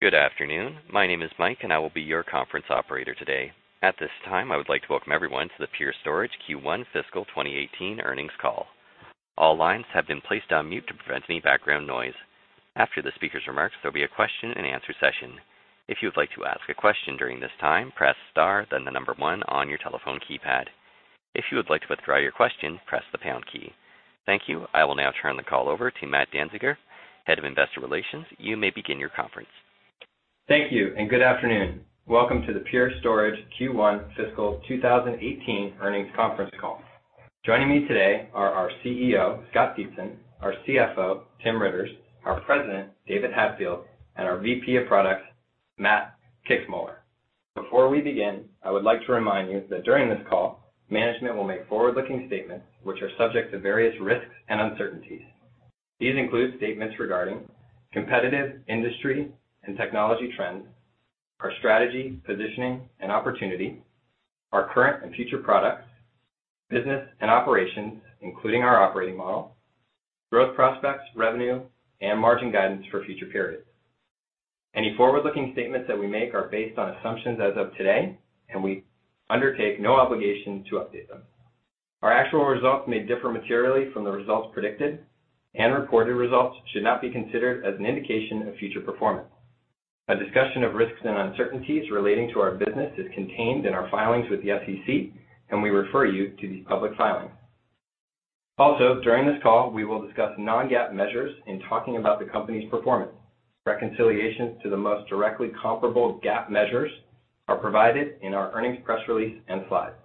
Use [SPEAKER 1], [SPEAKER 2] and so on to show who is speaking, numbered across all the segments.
[SPEAKER 1] Good afternoon. My name is Mike, and I will be your conference operator today. At this time, I would like to welcome everyone to the Pure Storage Q1 fiscal 2018 earnings call. All lines have been placed on mute to prevent any background noise. After the speaker's remarks, there'll be a question and answer session. If you would like to ask a question during this time, press star, then the number one on your telephone keypad. If you would like to withdraw your question, press the pound key. Thank you. I will now turn the call over to Matt Danziger, Head of Investor Relations. You may begin your conference.
[SPEAKER 2] Thank you. Good afternoon. Welcome to the Pure Storage Q1 fiscal 2018 earnings conference call. Joining me today are our CEO, Scott Dietzen; our CFO, Tim Riitters; our President, David Hatfield; and our VP of Products, Matt Kixmoeller. Before we begin, I would like to remind you that during this call, management will make forward-looking statements which are subject to various risks and uncertainties. These include statements regarding competitive industry and technology trends, our strategy, positioning, and opportunity, our current and future products, business and operations, including our operating model, growth prospects, revenue, and margin guidance for future periods. Any forward-looking statements that we make are based on assumptions as of today, and we undertake no obligation to update them. Our actual results may differ materially from the results predicted, and reported results should not be considered as an indication of future performance. A discussion of risks and uncertainties relating to our business is contained in our filings with the SEC. We refer you to these public filings. Also, during this call, we will discuss non-GAAP measures in talking about the company's performance. Reconciliations to the most directly comparable GAAP measures are provided in our earnings press release and slides.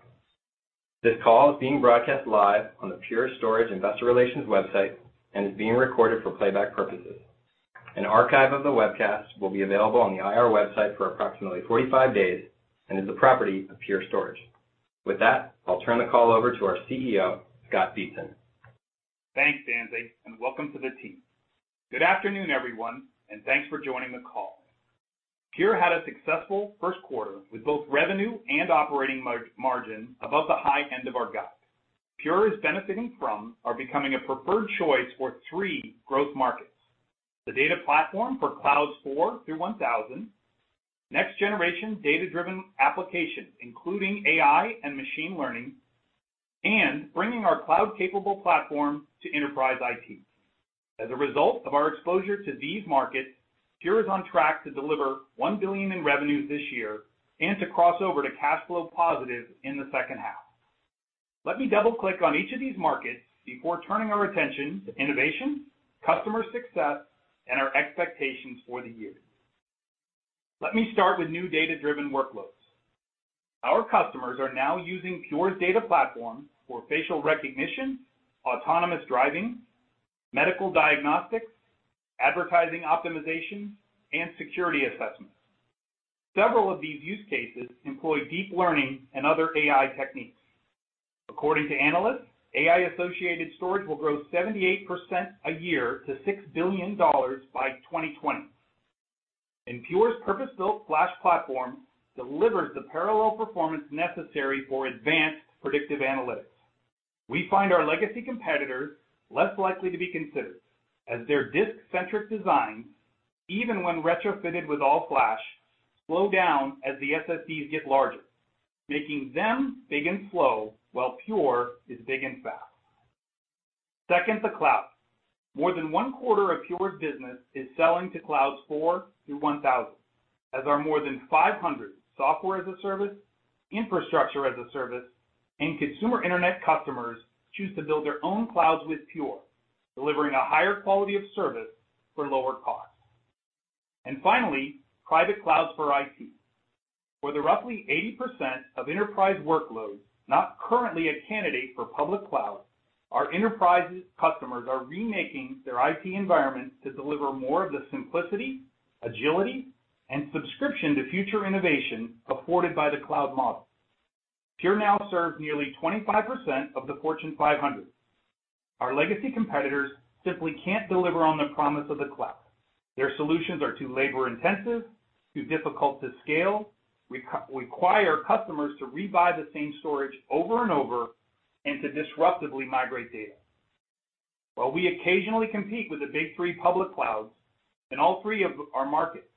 [SPEAKER 2] This call is being broadcast live on the Pure Storage Investor Relations website and is being recorded for playback purposes. An archive of the webcast will be available on the IR website for approximately 45 days and is the property of Pure Storage. With that, I'll turn the call over to our CEO, Scott Dietzen.
[SPEAKER 3] Thanks, Danzi. Welcome to the team. Good afternoon, everyone. Thanks for joining the call. Pure had a successful first quarter with both revenue and operating margin above the high end of our guide. Pure is benefiting from our becoming a preferred choice for three growth markets: the data platform for clouds four through 1,000; next-generation data-driven applications, including AI and machine learning; and bringing our cloud-capable platform to enterprise IT. As a result of our exposure to these markets, Pure is on track to deliver $1 billion in revenues this year and to cross over to cash flow positive in the second half. Let me double-click on each of these markets before turning our attention to innovation, customer success, and our expectations for the year. Let me start with new data-driven workloads. Our customers are now using Pure's data platform for facial recognition, autonomous driving, medical diagnostics, advertising optimization, and security assessments. Several of these use cases employ deep learning and other AI techniques. According to analysts, AI-associated storage will grow 78% a year to $6 billion by 2020. Pure's purpose-built flash platform delivers the parallel performance necessary for advanced predictive analytics. We find our legacy competitors less likely to be considered, as their disk-centric designs, even when retrofitted with all flash, slow down as the SSDs get larger, making them big and slow, while Pure is big and fast. Second to cloud. More than one-quarter of Pure's business is selling to clouds 4 through 1,000, as our more than 500 software-as-a-service, infrastructure-as-a-service, and consumer internet customers choose to build their own clouds with Pure, delivering a higher quality of service for lower cost. Finally, private clouds for IT. For the roughly 80% of enterprise workloads not currently a candidate for public cloud, our enterprise customers are remaking their IT environment to deliver more of the simplicity, agility, and subscription to future innovation afforded by the cloud model. Pure now serves nearly 25% of the Fortune 500. Our legacy competitors simply can't deliver on the promise of the cloud. Their solutions are too labor-intensive, too difficult to scale, require customers to rebuy the same storage over and over, and to disruptively migrate data. While we occasionally compete with the big three public clouds in all three of our markets,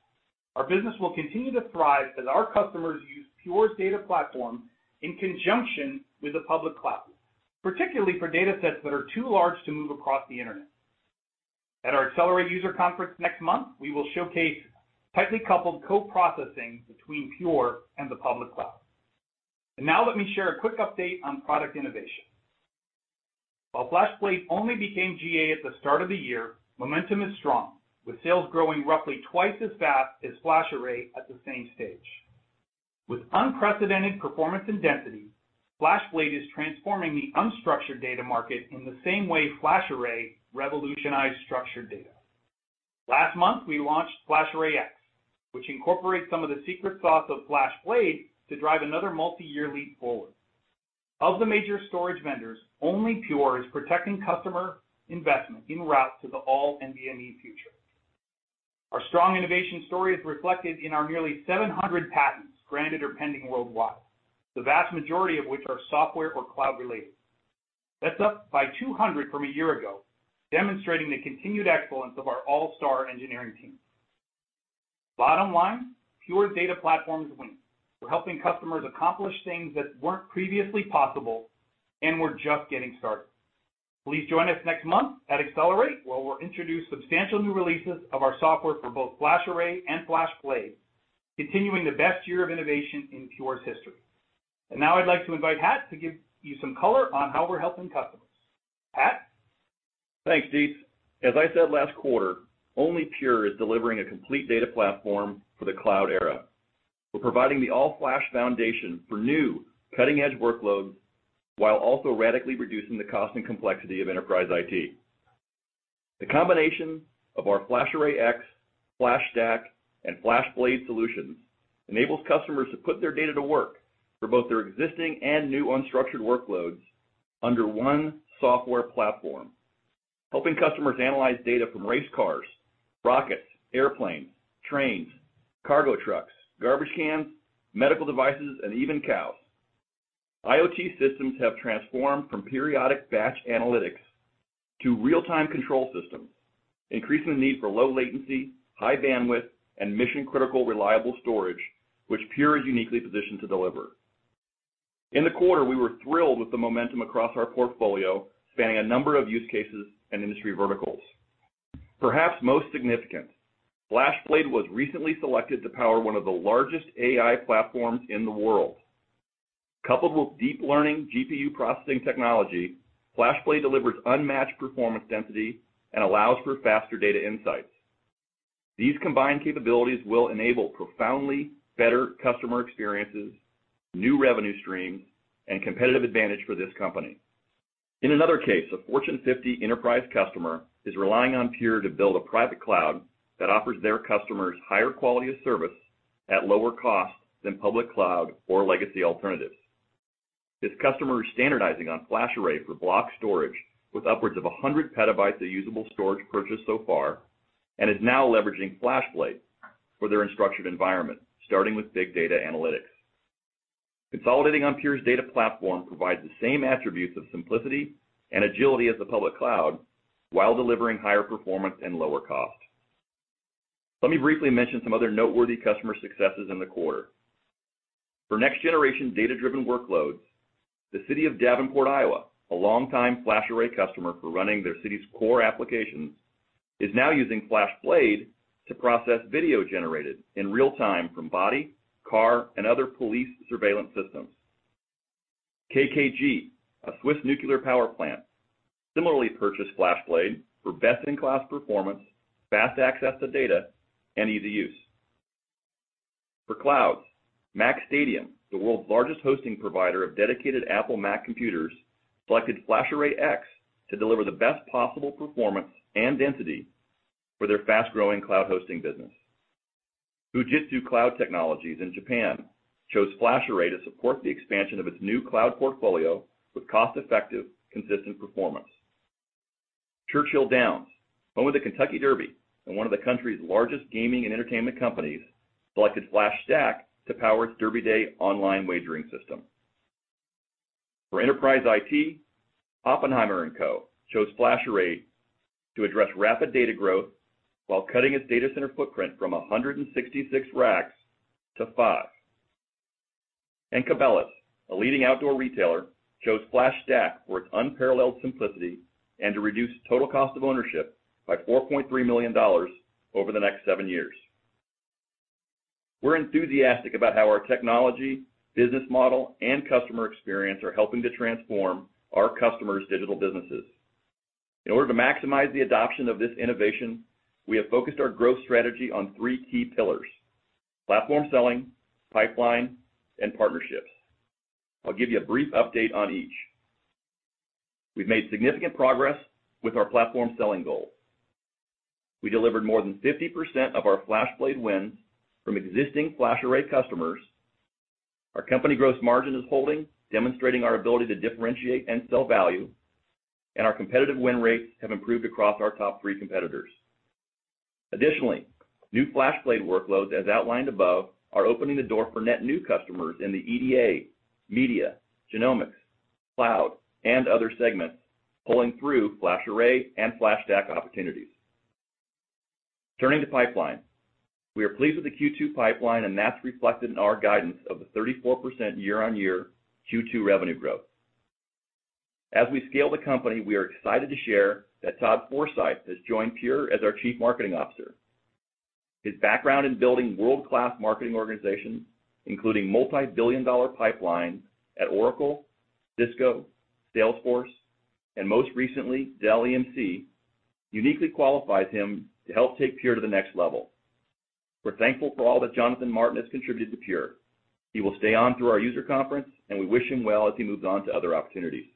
[SPEAKER 3] our business will continue to thrive as our customers use Pure's data platform in conjunction with the public cloud, particularly for datasets that are too large to move across the internet. At our Accelerate user conference next month, we will showcase tightly coupled co-processing between Pure and the public cloud. Now let me share a quick update on product innovation. While FlashBlade only became GA at the start of the year, momentum is strong, with sales growing roughly twice as fast as FlashArray at the same stage. With unprecedented performance and density, FlashBlade is transforming the unstructured data market in the same way FlashArray revolutionized structured data. Last month, we launched FlashArray//X, which incorporates some of the secret sauce of FlashBlade to drive another multiyear leap forward. Of the major storage vendors, only Pure is protecting customer investment in route to the all-NVMe future. Our strong innovation story is reflected in our nearly 700 patents granted or pending worldwide, the vast majority of which are software or cloud related. That's up by 200 from a year ago, demonstrating the continued excellence of our all-star engineering team. Bottom line, Pure's data platforms win. We're helping customers accomplish things that weren't previously possible, and we're just getting started. Please join us next month at Accelerate, where we'll introduce substantial new releases of our software for both FlashArray and FlashBlade, continuing the best year of innovation in Pure's history. Now I'd like to invite Hat to give you some color on how we're helping customers. Hat?
[SPEAKER 4] Thanks, Dietz. As I said last quarter, only Pure Storage is delivering a complete data platform for the cloud era. We're providing the all-flash foundation for new, cutting-edge workloads, while also radically reducing the cost and complexity of enterprise IT. The combination of our FlashArray//X, FlashStack, and FlashBlade solutions enables customers to put their data to work for both their existing and new unstructured workloads under one software platform, helping customers analyze data from race cars, rockets, airplanes, trains, cargo trucks, garbage cans, medical devices, and even cows. IoT systems have transformed from periodic batch analytics to real-time control systems, increasing the need for low latency, high bandwidth, and mission-critical reliable storage, which Pure Storage is uniquely positioned to deliver. In the quarter, we were thrilled with the momentum across our portfolio, spanning a number of use cases and industry verticals. Perhaps most significant, FlashBlade was recently selected to power one of the largest AI platforms in the world. Coupled with deep learning GPU processing technology, FlashBlade delivers unmatched performance density and allows for faster data insights. These combined capabilities will enable profoundly better customer experiences, new revenue streams, and competitive advantage for this company. In another case, a Fortune 50 enterprise customer is relying on Pure Storage to build a private cloud that offers their customers higher quality of service at lower cost than public cloud or legacy alternatives. This customer is standardizing on FlashArray for block storage with upwards of 100 petabytes of usable storage purchased so far and is now leveraging FlashBlade for their unstructured environment, starting with big data analytics. Consolidating on Pure Storage's data platform provides the same attributes of simplicity and agility as the public cloud while delivering higher performance and lower cost. Let me briefly mention some other noteworthy customer successes in the quarter. For next-generation data-driven workloads, the city of Davenport, Iowa, a long-time FlashArray customer for running their city's core applications, is now using FlashBlade to process video generated in real time from body, car, and other police surveillance systems. KKG, a Swiss nuclear power plant, similarly purchased FlashBlade for best-in-class performance, fast access to data, and easy use. For clouds, MacStadium, the world's largest hosting provider of dedicated Apple Mac computers, selected FlashArray//X to deliver the best possible performance and density for their fast-growing cloud hosting business. Fujitsu Cloud Technologies in Japan chose FlashArray to support the expansion of its new cloud portfolio with cost-effective, consistent performance. Churchill Downs, home of the Kentucky Derby and one of the country's largest gaming and entertainment companies, selected FlashStack to power its Derby Day online wagering system. For enterprise IT, Oppenheimer & Co. chose FlashArray to address rapid data growth while cutting its data center footprint from 166 racks to five. Cabela's, a leading outdoor retailer, chose FlashStack for its unparalleled simplicity and to reduce total cost of ownership by $4.3 million over the next seven years. We're enthusiastic about how our technology, business model, and customer experience are helping to transform our customers' digital businesses. In order to maximize the adoption of this innovation, we have focused our growth strategy on three key pillars: platform selling, pipeline, and partnerships. I'll give you a brief update on each. We've made significant progress with our platform selling goal. We delivered more than 50% of our FlashBlade wins from existing FlashArray customers. Our company gross margin is holding, demonstrating our ability to differentiate and sell value, and our competitive win rates have improved across our top three competitors. Additionally, new FlashBlade workloads, as outlined above, are opening the door for net new customers in the EDA, media, genomics, cloud, and other segments, pulling through FlashArray and FlashStack opportunities. Turning to pipeline, we are pleased with the Q2 pipeline, and that's reflected in our guidance of the 34% year-on-year Q2 revenue growth. As we scale the company, we are excited to share that Todd Forsythe has joined Pure as our Chief Marketing Officer. His background in building world-class marketing organizations, including multibillion-dollar pipelines at Oracle, Cisco, Salesforce, and most recently, Dell EMC, uniquely qualifies him to help take Pure to the next level. We're thankful for all that Jonathan Martin has contributed to Pure. He will stay on through our user conference, and we wish him well as he moves on to other opportunities.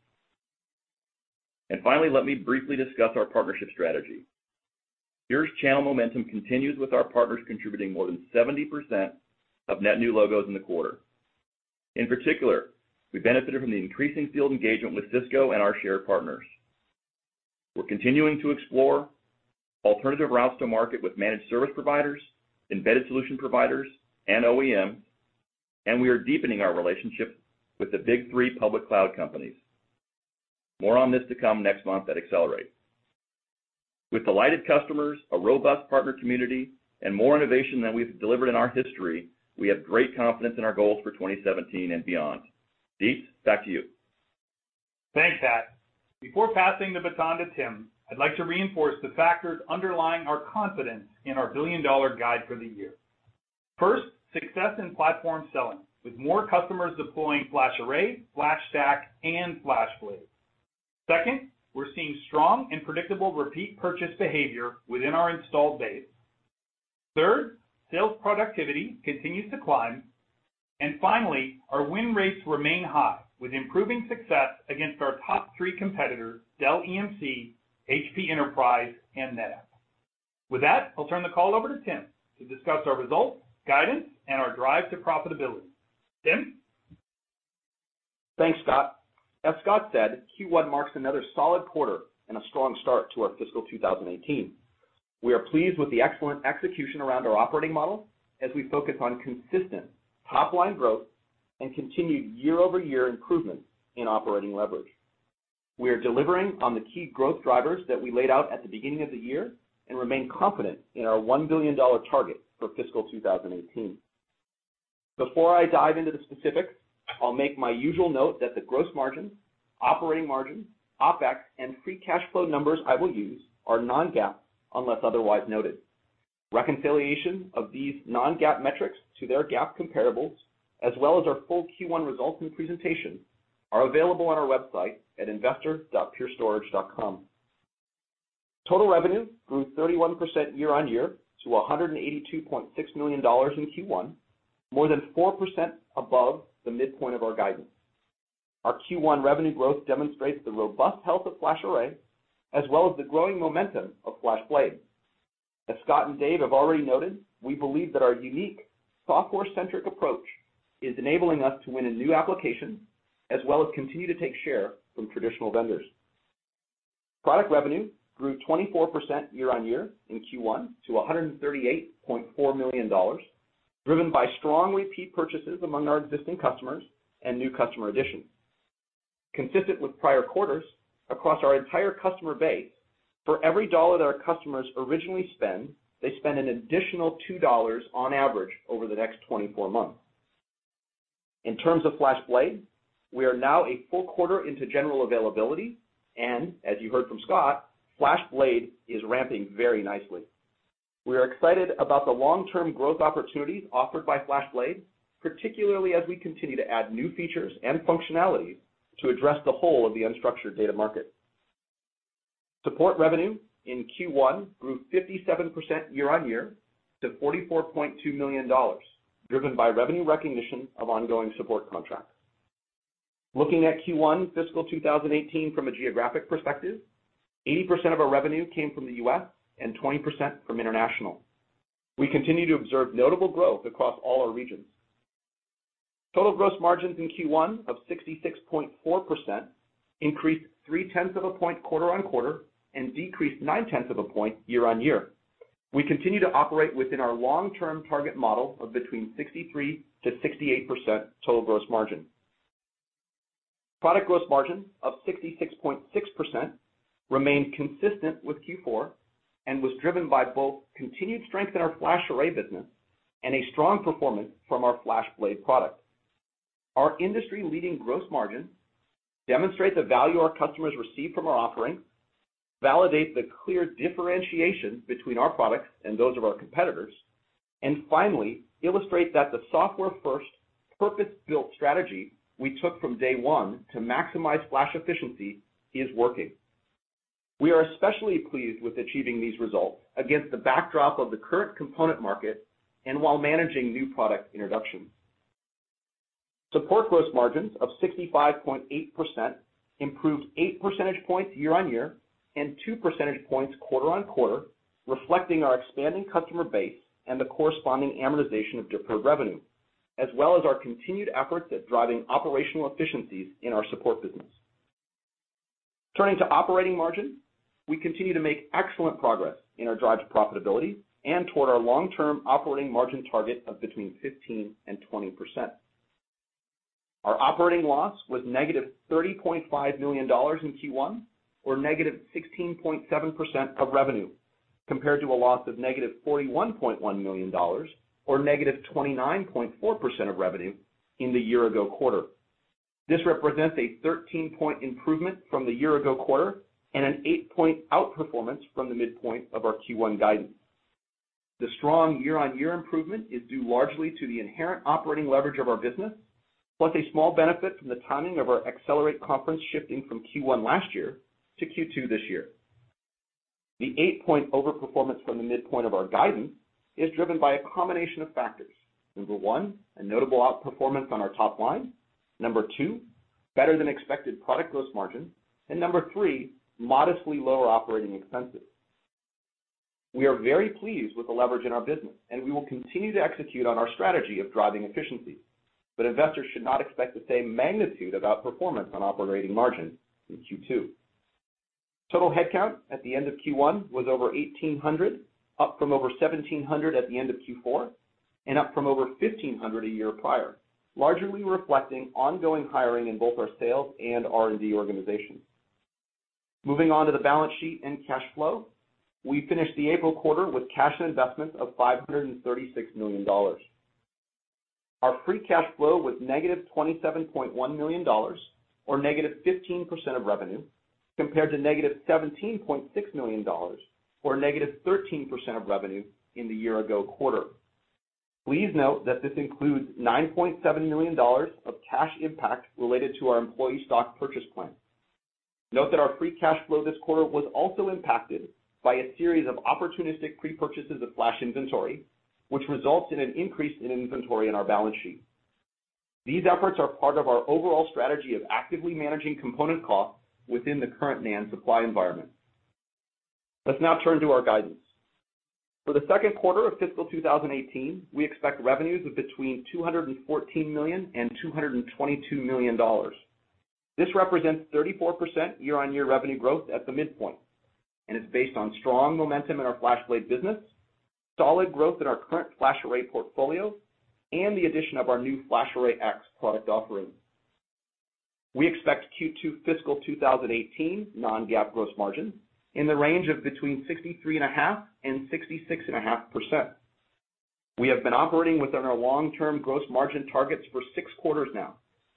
[SPEAKER 4] Finally, let me briefly discuss our partnership strategy. Pure's channel momentum continues with our partners contributing more than 70% of net new logos in the quarter. In particular, we benefited from the increasing field engagement with Cisco and our shared partners. We're continuing to explore alternative routes to market with managed service providers, embedded solution providers, and OEM, and we are deepening our relationship with the big three public cloud companies. More on this to come next month at Accelerate. With delighted customers, a robust partner community, and more innovation than we've delivered in our history, we have great confidence in our goals for 2017 and beyond. Dietz, back to you.
[SPEAKER 3] Thanks, Hat. Before passing the baton to Tim, I'd like to reinforce the factors underlying our confidence in our billion-dollar guide for the year. First, success in platform selling, with more customers deploying FlashArray, FlashStack, and FlashBlade. Second, we're seeing strong and predictable repeat purchase behavior within our installed base. Third, sales productivity continues to climb. Finally, our win rates remain high, with improving success against our top three competitors, Dell EMC, HP Enterprise, and NetApp. With that, I'll turn the call over to Tim to discuss our results, guidance, and our drive to profitability. Tim?
[SPEAKER 5] Thanks, Scott. As Scott said, Q1 marks another solid quarter and a strong start to our fiscal 2018. We are pleased with the excellent execution around our operating model, as we focus on consistent top-line growth and continued year-over-year improvements in operating leverage. We are delivering on the key growth drivers that we laid out at the beginning of the year and remain confident in our $1 billion target for fiscal 2018. Before I dive into the specifics, I'll make my usual note that the gross margin, operating margin, OpEx, and free cash flow numbers I will use are non-GAAP, unless otherwise noted. Reconciliation of these non-GAAP metrics to their GAAP comparables, as well as our full Q1 results and presentation, are available on our website at investor.purestorage.com. Total revenue grew 31% year-on-year to $182.6 million in Q1, more than 4% above the midpoint of our guidance. Our Q1 revenue growth demonstrates the robust health of FlashArray, as well as the growing momentum of FlashBlade. As Scott and Dave have already noted, we believe that our unique software-centric approach is enabling us to win in new applications, as well as continue to take share from traditional vendors. Product revenue grew 24% year-on-year in Q1 to $138.4 million, driven by strong repeat purchases among our existing customers and new customer additions. Consistent with prior quarters, across our entire customer base, for every dollar that our customers originally spend, they spend an additional $2, on average, over the next 24 months. In terms of FlashBlade, we are now a full quarter into general availability, and as you heard from Scott, FlashBlade is ramping very nicely. We are excited about the long-term growth opportunities offered by FlashBlade, particularly as we continue to add new features and functionality to address the whole of the unstructured data market. Support revenue in Q1 grew 57% year-on-year to $44.2 million, driven by revenue recognition of ongoing support contracts. Looking at Q1 fiscal 2018 from a geographic perspective, 80% of our revenue came from the U.S. and 20% from international. We continue to observe notable growth across all our regions. Total gross margins in Q1 of 66.4% increased three-tenths of a point quarter-on-quarter and decreased nine-tenths of a point year-on-year. We continue to operate within our long-term target model of between 63%-68% total gross margin. Product gross margin of 66.6% remained consistent with Q4 and was driven by both continued strength in our FlashArray business and a strong performance from our FlashBlade product. Our industry-leading gross margin demonstrate the value our customers receive from our offering, validate the clear differentiation between our products and those of our competitors, and finally, illustrate that the software-first, purpose-built strategy we took from day one to maximize flash efficiency is working. We are especially pleased with achieving these results against the backdrop of the current component market and while managing new product introductions. Support gross margins of 65.8% improved eight percentage points year-on-year and two percentage points quarter-on-quarter, reflecting our expanding customer base and the corresponding amortization of deferred revenue, as well as our continued efforts at driving operational efficiencies in our support business. Turning to operating margin. We continue to make excellent progress in our drive to profitability and toward our long-term operating margin target of between 15% and 20%. Our operating loss was negative $30.5 million in Q1, or negative 16.7% of revenue, compared to a loss of negative $41.1 million, or negative 29.4% of revenue in the year-ago quarter. This represents a 13-point improvement from the year-ago quarter and an eight-point outperformance from the midpoint of our Q1 guidance. The strong year-on-year improvement is due largely to the inherent operating leverage of our business, plus a small benefit from the timing of our Accelerate conference shifting from Q1 last year to Q2 this year. The eight-point overperformance from the midpoint of our guidance is driven by a combination of factors. Number one, a notable outperformance on our top line. Number two, better-than-expected product gross margin. Number three, modestly lower operating expenses. We are very pleased with the leverage in our business, and we will continue to execute on our strategy of driving efficiency. Investors should not expect the same magnitude of outperformance on operating margin in Q2. Total headcount at the end of Q1 was over 1,800, up from over 1,700 at the end of Q4, and up from over 1,500 a year prior, largely reflecting ongoing hiring in both our sales and R&D organizations. Moving on to the balance sheet and cash flow. We finished the April quarter with cash and investments of $536 million. Our free cash flow was negative $27.1 million, or negative 15% of revenue, compared to negative $17.6 million, or negative 13% of revenue in the year-ago quarter. Please note that this includes $9.7 million of cash impact related to our employee stock purchase plan. Note that our free cash flow this quarter was also impacted by a series of opportunistic prepurchases of flash inventory, which results in an increase in inventory on our balance sheet. These efforts are part of our overall strategy of actively managing component costs within the current NAND supply environment. Let's now turn to our guidance. For the second quarter of fiscal 2018, we expect revenues of between $214 million and $222 million. This represents 34% year-on-year revenue growth at the midpoint and is based on strong momentum in our FlashBlade business, solid growth in our current FlashArray portfolio, and the addition of our new FlashArray//X product offering. We expect Q2 fiscal 2018 non-GAAP gross margin in the range of between 63.5% and 66.5%. We have been operating within our long-term gross margin targets for six quarters now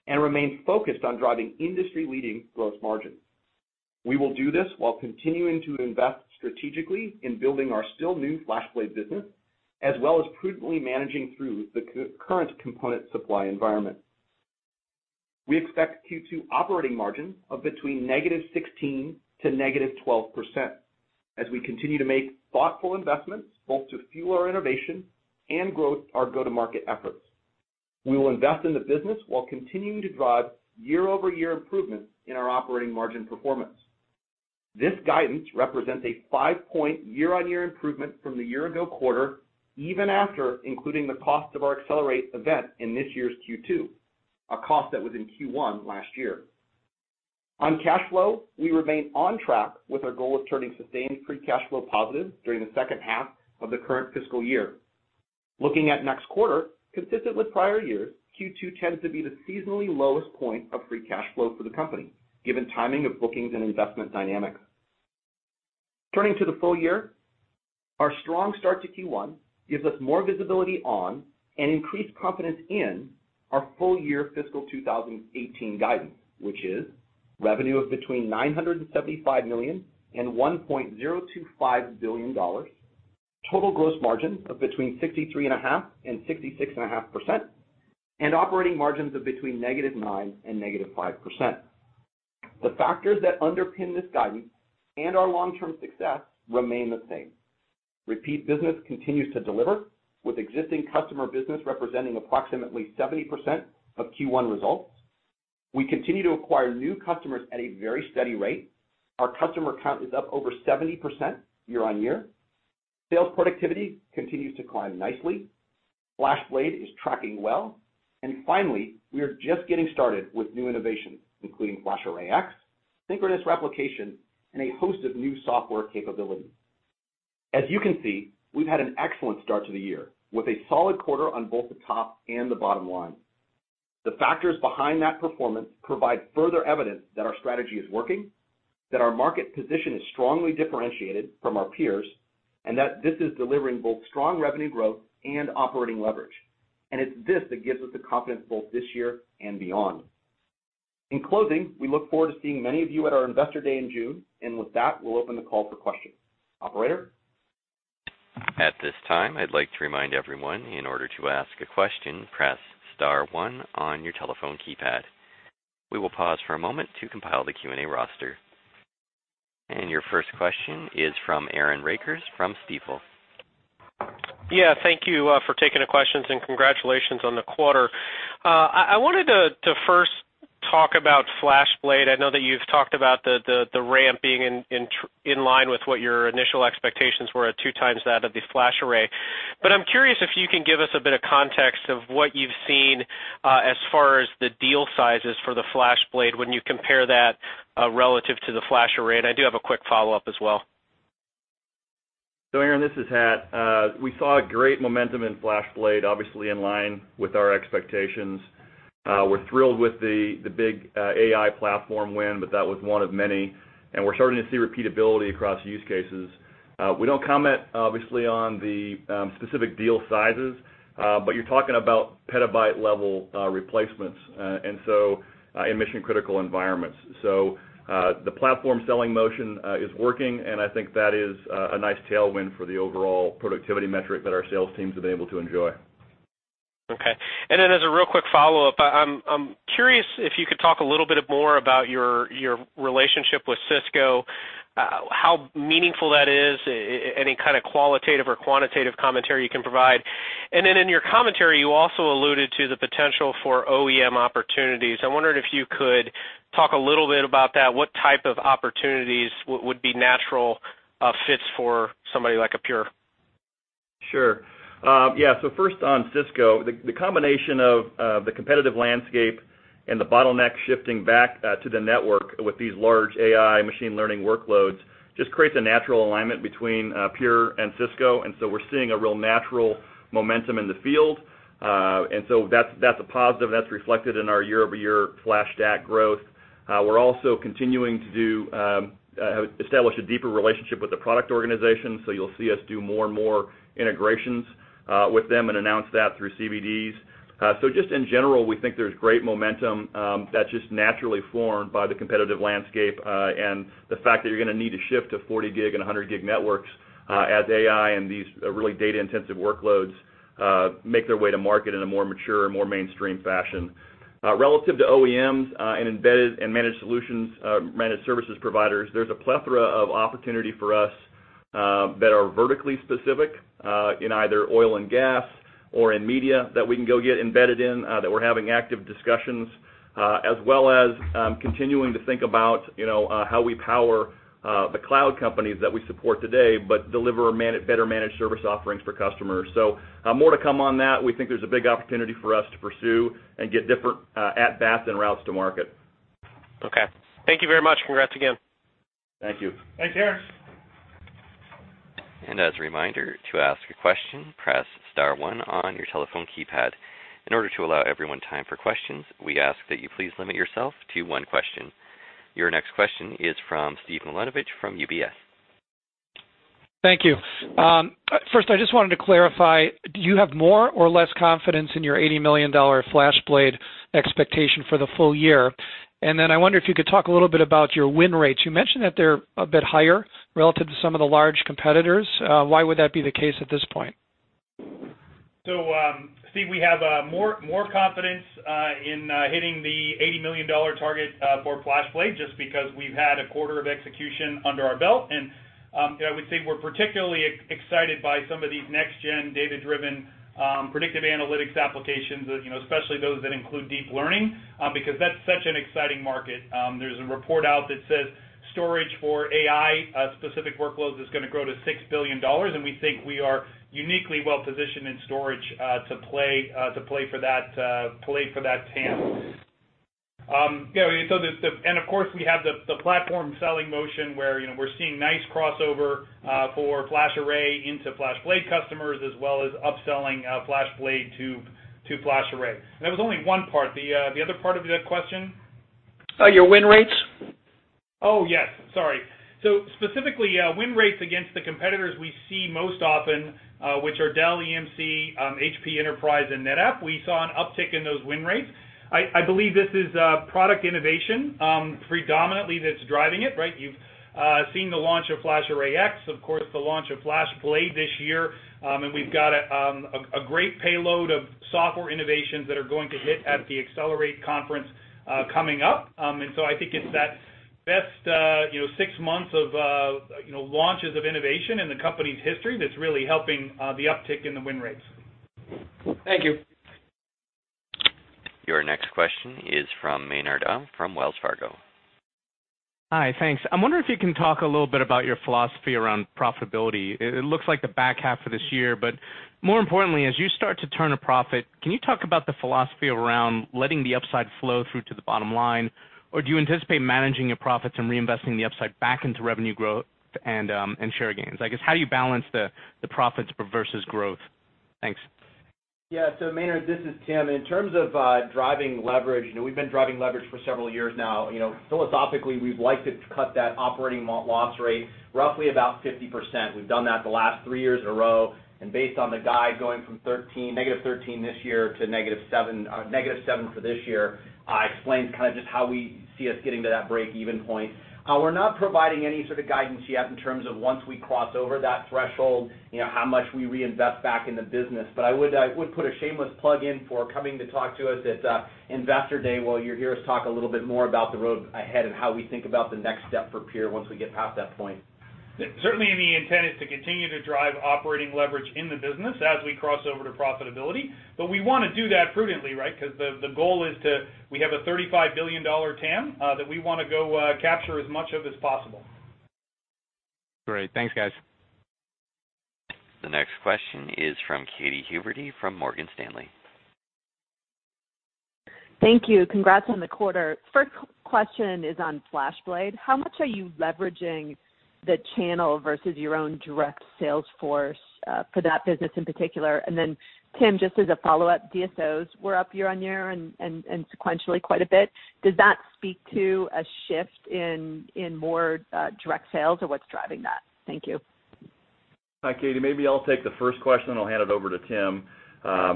[SPEAKER 5] and remain focused on driving industry-leading gross margins. We will do this while continuing to invest strategically in building our still new FlashBlade business, as well as prudently managing through the current component supply environment. We expect Q2 operating margin of between negative 16% and negative 12% as we continue to make thoughtful investments both to fuel our innovation and grow our go-to-market efforts. We will invest in the business while continuing to drive year-over-year improvements in our operating margin performance. This guidance represents a five-point year-on-year improvement from the year-ago quarter, even after including the cost of our Accelerate event in this year's Q2, a cost that was in Q1 last year. On cash flow, we remain on track with our goal of turning sustained free cash flow positive during the second half of the current fiscal year. Looking at next quarter, consistent with prior years, Q2 tends to be the seasonally lowest point of free cash flow for the company, given timing of bookings and investment dynamics. Turning to the full year, our strong start to Q1 gives us more visibility on and increased confidence in our full-year fiscal 2018 guidance, which is revenue of between $975 million and $1.025 billion, total gross margin of between 63.5% and 66.5%, and operating margins of between negative 9% and negative 5%. The factors that underpin this guidance and our long-term success remain the same. Repeat business continues to deliver, with existing customer business representing approximately 70% of Q1 results. We continue to acquire new customers at a very steady rate. Our customer count is up over 70% year-on-year. Sales productivity continues to climb nicely. FlashBlade is tracking well. Finally, we are just getting started with new innovations, including FlashArray//X, synchronous replication, and a host of new software capabilities. As you can see, we've had an excellent start to the year with a solid quarter on both the top and the bottom line. The factors behind that performance provide further evidence that our strategy is working, that our market position is strongly differentiated from our peers, and that this is delivering both strong revenue growth and operating leverage. It's this that gives us the confidence both this year and beyond. In closing, we look forward to seeing many of you at our Investor Day in June. With that, we'll open the call for questions. Operator?
[SPEAKER 1] At this time, I'd like to remind everyone, in order to ask a question, press star 1 on your telephone keypad. We will pause for a moment to compile the Q&A roster. Your first question is from Aaron Rakers from Stifel.
[SPEAKER 6] Yeah, thank you for taking the questions. Congratulations on the quarter. I wanted to first talk about FlashBlade. I know that you've talked about the ramp being in line with what your initial expectations were at two times that of the FlashArray. I'm curious if you can give us a bit of context of what you've seen as far as the deal sizes for the FlashBlade when you compare that relative to the FlashArray. I do have a quick follow-up as well.
[SPEAKER 4] Aaron, this is Hat. We saw a great momentum in FlashBlade, obviously in line with our expectations. We're thrilled with the big AI platform win. That was one of many, and we're starting to see repeatability across use cases. We don't comment, obviously, on the specific deal sizes. You're talking about petabyte-level replacements in mission-critical environments. The platform selling motion is working, and I think that is a nice tailwind for the overall productivity metric that our sales teams have been able to enjoy.
[SPEAKER 6] Okay. As a real quick follow-up, I'm curious if you could talk a little bit more about your relationship with Cisco, how meaningful that is, any kind of qualitative or quantitative commentary you can provide. In your commentary, you also alluded to the potential for OEM opportunities. I wondered if you could talk a little bit about that. What type of opportunities would be natural fits for somebody like a Pure?
[SPEAKER 4] Sure. First on Cisco, the combination of the competitive landscape and the bottleneck shifting back to the network with these large AI machine learning workloads just creates a natural alignment between Pure and Cisco, and so we're seeing a real natural momentum in the field. That's a positive, that's reflected in our year-over-year FlashStack growth. We're also continuing to establish a deeper relationship with the product organization, so you'll see us do more and more integrations with them and announce that through CVDs. Just in general, we think there's great momentum that's just naturally formed by the competitive landscape, and the fact that you're going to need to shift to 40 gig and 100 gig networks as AI and these really data-intensive workloads make their way to market in a more mature and more mainstream fashion. Relative to OEMs and embedded and managed solutions, managed services providers, there's a plethora of opportunity for us that are vertically specific in either oil and gas or in media that we can go get embedded in, that we're having active discussions, as well as continuing to think about how we power the cloud companies that we support today, but deliver better managed service offerings for customers. More to come on that. We think there's a big opportunity for us to pursue and get different at-bats and routes to market.
[SPEAKER 6] Okay. Thank you very much. Congrats again.
[SPEAKER 4] Thank you.
[SPEAKER 3] Thanks, Aaron.
[SPEAKER 1] As a reminder, to ask a question, press star one on your telephone keypad. In order to allow everyone time for questions, we ask that you please limit yourself to one question. Your next question is from Steve Milunovich from UBS.
[SPEAKER 7] Thank you. First, I just wanted to clarify, do you have more or less confidence in your $80 million FlashBlade expectation for the full year? Then I wonder if you could talk a little bit about your win rates. You mentioned that they're a bit higher relative to some of the large competitors. Why would that be the case at this point?
[SPEAKER 3] Steve, we have more confidence in hitting the $80 million target for FlashBlade just because we've had a quarter of execution under our belt. I would say we're particularly excited by some of these next-gen, data-driven predictive analytics applications, especially those that include deep learning because that's such an exciting market. There's a report out that says storage for AI-specific workloads is going to grow to $6 billion, and we think we are uniquely well-positioned in storage to play for that TAM. Of course, we have the platform selling motion where we're seeing nice crossover for FlashArray into FlashBlade customers, as well as upselling FlashBlade to FlashArray. That was only one part. The other part of the question?
[SPEAKER 7] Your win rates.
[SPEAKER 3] Oh, yes. Sorry. Specifically, win rates against the competitors we see most often, which are Dell EMC, HP Enterprise, and NetApp, we saw an uptick in those win rates. I believe this is product innovation predominantly that's driving it, right? You've seen the launch of FlashArray//X, of course, the launch of FlashBlade this year, and we've got a great payload of software innovations that are going to hit at the Accelerate Conference coming up. I think it's that best six months of launches of innovation in the company's history that's really helping the uptick in the win rates.
[SPEAKER 7] Thank you.
[SPEAKER 1] Your next question is from Maynard Um from Wells Fargo.
[SPEAKER 8] Hi. Thanks. I'm wondering if you can talk a little bit about your philosophy around profitability. It looks like the back half of this year. More importantly, as you start to turn a profit, can you talk about the philosophy around letting the upside flow through to the bottom line? Do you anticipate managing your profits and reinvesting the upside back into revenue growth and share gains? I guess, how do you balance the profits versus growth? Thanks.
[SPEAKER 5] Yeah. Maynard, this is Tim. In terms of driving leverage, we've been driving leverage for several years now. Philosophically, we'd like to cut that operating loss rate roughly about 50%. Based on the guide going from negative 13 this year to negative seven for this year explains just how we see us getting to that breakeven point. We're not providing any sort of guidance yet in terms of once we cross over that threshold, how much we reinvest back in the business. I would put a shameless plug in for coming to talk to us at Investor Day while you're here to talk a little bit more about the road ahead and how we think about the next step for Pure once we get past that point.
[SPEAKER 3] Certainly, the intent is to continue to drive operating leverage in the business as we cross over to profitability. We want to do that prudently, right? The goal is we have a $35 billion TAM that we want to go capture as much of as possible.
[SPEAKER 8] Great. Thanks, guys.
[SPEAKER 1] The next question is from Katy Huberty from Morgan Stanley.
[SPEAKER 9] Thank you. Congrats on the quarter. First question is on FlashBlade. How much are you leveraging the channel versus your own direct sales force for that business in particular? Tim, just as a follow-up, DSOs were up year-over-year and sequentially quite a bit. Does that speak to a shift in more direct sales, or what's driving that? Thank you.
[SPEAKER 4] Hi, Katy. Maybe I'll take the first question, then I'll hand it over to Tim.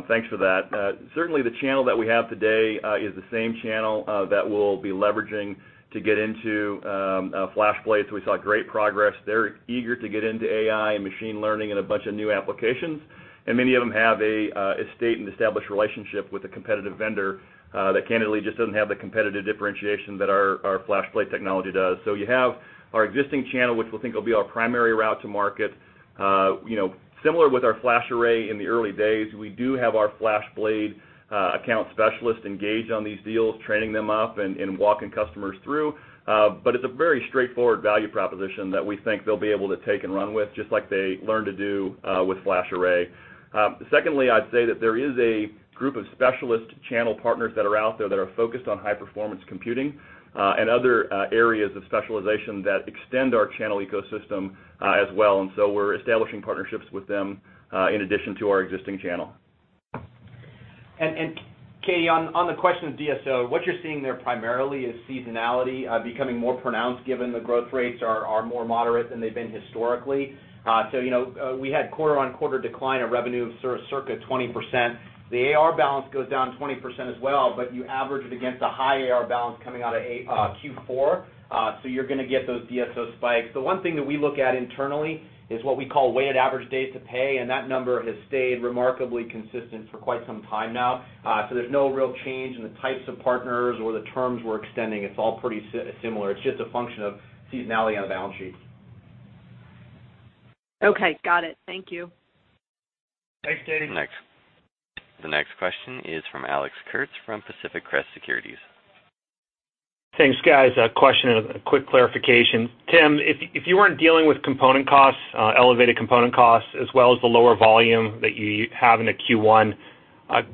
[SPEAKER 4] Thanks for that. Certainly, the channel that we have today is the same channel that we'll be leveraging to get into FlashBlade, we saw great progress. They're eager to get into AI and machine learning and a bunch of new applications. Many of them have a state and established relationship with a competitive vendor that candidly just doesn't have the competitive differentiation that our FlashBlade technology does. You have our existing channel, which we think will be our primary route to market. Similar with our FlashArray in the early days, we do have our FlashBlade account specialist engaged on these deals, training them up and walking customers through. It's a very straightforward value proposition that we think they'll be able to take and run with, just like they learned to do with FlashArray. Secondly, I'd say that there is a group of specialist channel partners that are out there that are focused on high-performance computing and other areas of specialization that extend our channel ecosystem as well. We're establishing partnerships with them in addition to our existing channel.
[SPEAKER 5] Katy, on the question of DSO, what you're seeing there primarily is seasonality becoming more pronounced given the growth rates are more moderate than they've been historically. We had quarter-on-quarter decline of revenue of circa 20%. The AR balance goes down 20% as well, but you average it against a high AR balance coming out of Q4, so you're going to get those DSO spikes. The one thing that we look at internally is what we call weighted average days to pay, and that number has stayed remarkably consistent for quite some time now. There's no real change in the types of partners or the terms we're extending. It's all pretty similar. It's just a function of seasonality on the balance sheet.
[SPEAKER 9] Okay, got it. Thank you.
[SPEAKER 4] Thanks, Katy.
[SPEAKER 1] The next question is from Alex Kurtz from Pacific Crest Securities.
[SPEAKER 10] Thanks, guys. A question and a quick clarification. Tim, if you weren't dealing with component costs, elevated component costs, as well as the lower volume that you have into Q1,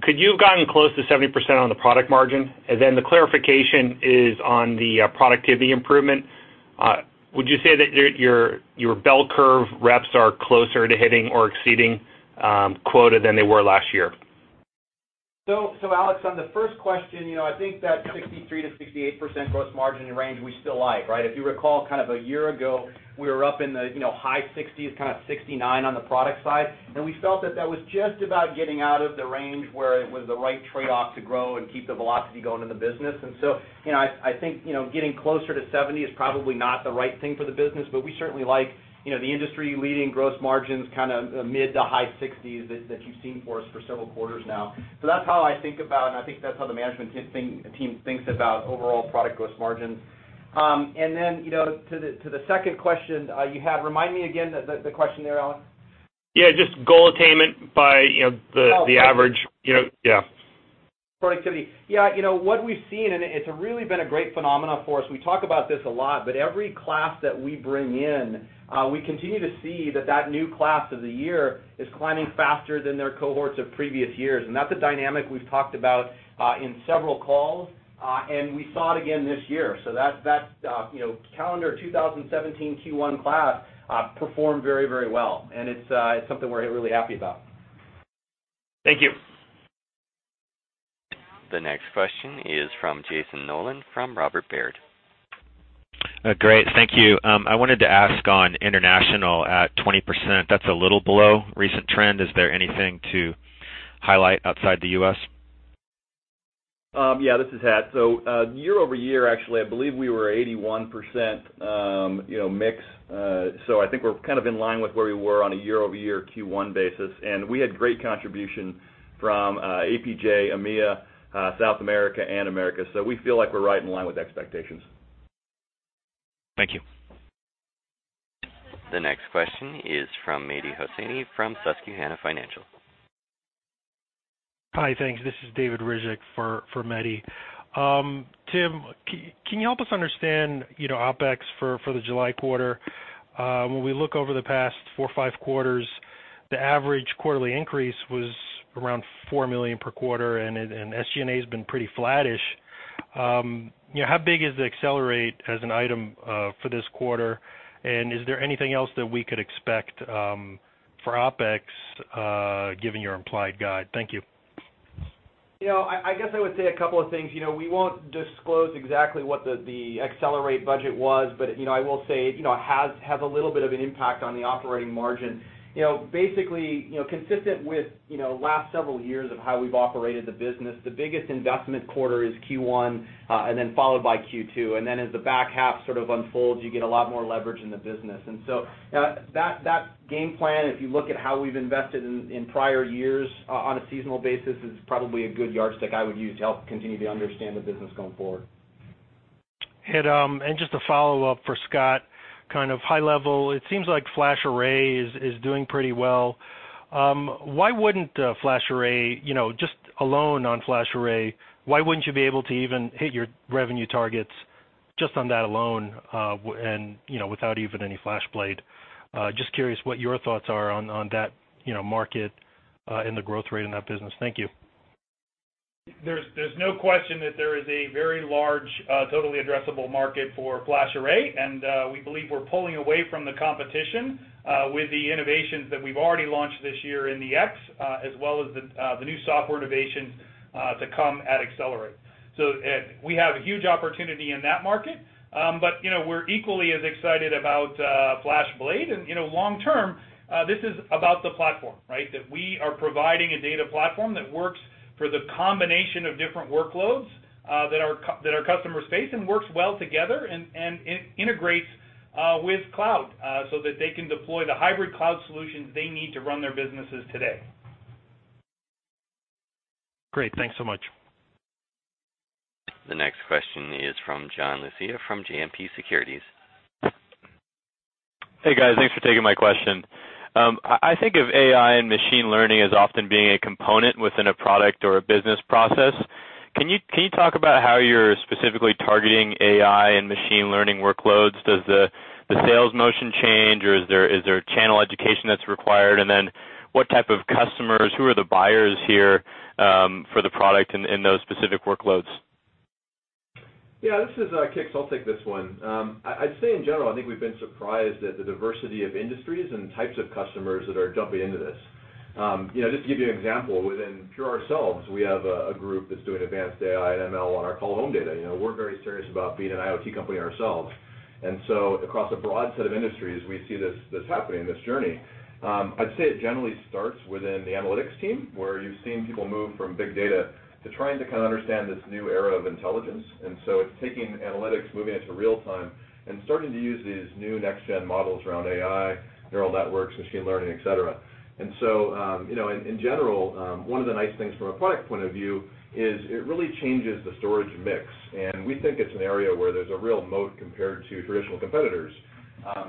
[SPEAKER 10] could you have gotten close to 70% on the product margin? Then the clarification is on the productivity improvement. Would you say that your bell curve reps are closer to hitting or exceeding quota than they were last year?
[SPEAKER 5] Alex, on the first question, I think that 63%-68% gross margin range we still like, right? If you recall, a year ago, we were up in the high 60s, 69 on the product side. We felt that that was just about getting out of the range where it was the right trade-off to grow and keep the velocity going in the business. I think getting closer to 70 is probably not the right thing for the business, but we certainly like the industry-leading gross margins mid to high 60s that you've seen for us for several quarters now. That's how I think about it, and I think that's how the management team thinks about overall product gross margins. Then to the second question you had, remind me again the question there, Alex.
[SPEAKER 10] Just goal attainment by the average.
[SPEAKER 5] Productivity. Yeah. What we've seen, it's really been a great phenomenon for us, we talk about this a lot, every class that we bring in, we continue to see that that new class of the year is climbing faster than their cohorts of previous years. That's a dynamic we've talked about in several calls, and we saw it again this year. That calendar 2017 Q1 class performed very well, and it's something we're really happy about.
[SPEAKER 10] Thank you.
[SPEAKER 1] The next question is from Jayson Noland from Robert Baird.
[SPEAKER 11] Great. Thank you. I wanted to ask on international at 20%, that's a little below recent trend. Is there anything to highlight outside the U.S.?
[SPEAKER 4] this is Hat. Year-over-year, actually, I believe we were 81% mix. I think we're kind of in line with where we were on a year-over-year Q1 basis, and we had great contribution from APJ, EMEA, South America, and America. We feel like we're right in line with expectations.
[SPEAKER 11] Thank you.
[SPEAKER 1] The next question is from Mehdi Hosseini from Susquehanna Financial.
[SPEAKER 12] Hi, thanks. This is David Ryzhik for Mehdi. Tim, can you help us understand OpEx for the July quarter? When we look over the past four or five quarters, the average quarterly increase was around $4 million per quarter, and SG&A has been pretty flattish. How big is the Accelerate as an item for this quarter? Is there anything else that we could expect for OpEx given your implied guide? Thank you.
[SPEAKER 5] I guess I would say a couple of things. We won't disclose exactly what the Accelerate budget was, but I will say it has a little bit of an impact on the operating margin. Basically, consistent with last several years of how we've operated the business, the biggest investment quarter is Q1, then followed by Q2. As the back half sort of unfolds, you get a lot more leverage in the business. That game plan, if you look at how we've invested in prior years on a seasonal basis, is probably a good yardstick I would use to help continue to understand the business going forward.
[SPEAKER 12] Just a follow-up for Scott, kind of high level, it seems like FlashArray is doing pretty well. Why wouldn't FlashArray, just alone on FlashArray, why wouldn't you be able to even hit your revenue targets just on that alone and without even any FlashBlade? Just curious what your thoughts are on that market and the growth rate in that business. Thank you.
[SPEAKER 4] There's no question that there is a very large, totally addressable market for FlashArray, and we believe we're pulling away from the competition with the innovations that we've already launched this year in the X, as well as the new software innovations to come at Accelerate. We have a huge opportunity in that market, but we're equally as excited about FlashBlade. Long term, this is about the platform, right? That we are providing a data platform that works for the combination of different workloads that our customers face and works well together, and integrates with cloud so that they can deploy the hybrid cloud solutions they need to run their businesses today.
[SPEAKER 12] Great. Thanks so much.
[SPEAKER 1] The next question is from John Lucia from JMP Securities.
[SPEAKER 13] Hey, guys. Thanks for taking my question. I think of AI and machine learning as often being a component within a product or a business process. Can you talk about how you're specifically targeting AI and machine learning workloads? Does the sales motion change, or is there channel education that's required? Then what type of customers, who are the buyers here for the product in those specific workloads?
[SPEAKER 14] Yeah, this is Kix. I'll take this one. I'd say in general, I think we've been surprised at the diversity of industries and types of customers that are jumping into this. Just to give you an example, within Pure ourselves, we have a group that's doing advanced AI and ML on our Call Home data. We're very serious about being an IoT company ourselves. So across a broad set of industries, we see this happening, this journey. I'd say it generally starts within the analytics team, where you've seen people move from big data to trying to understand this new era of intelligence. So it's taking analytics, moving it to real-time, and starting to use these new next-gen models around AI, neural networks, machine learning, et cetera. So, in general, one of the nice things from a product point of view is it really changes the storage mix, and we think it's an area where there's a real moat compared to traditional competitors.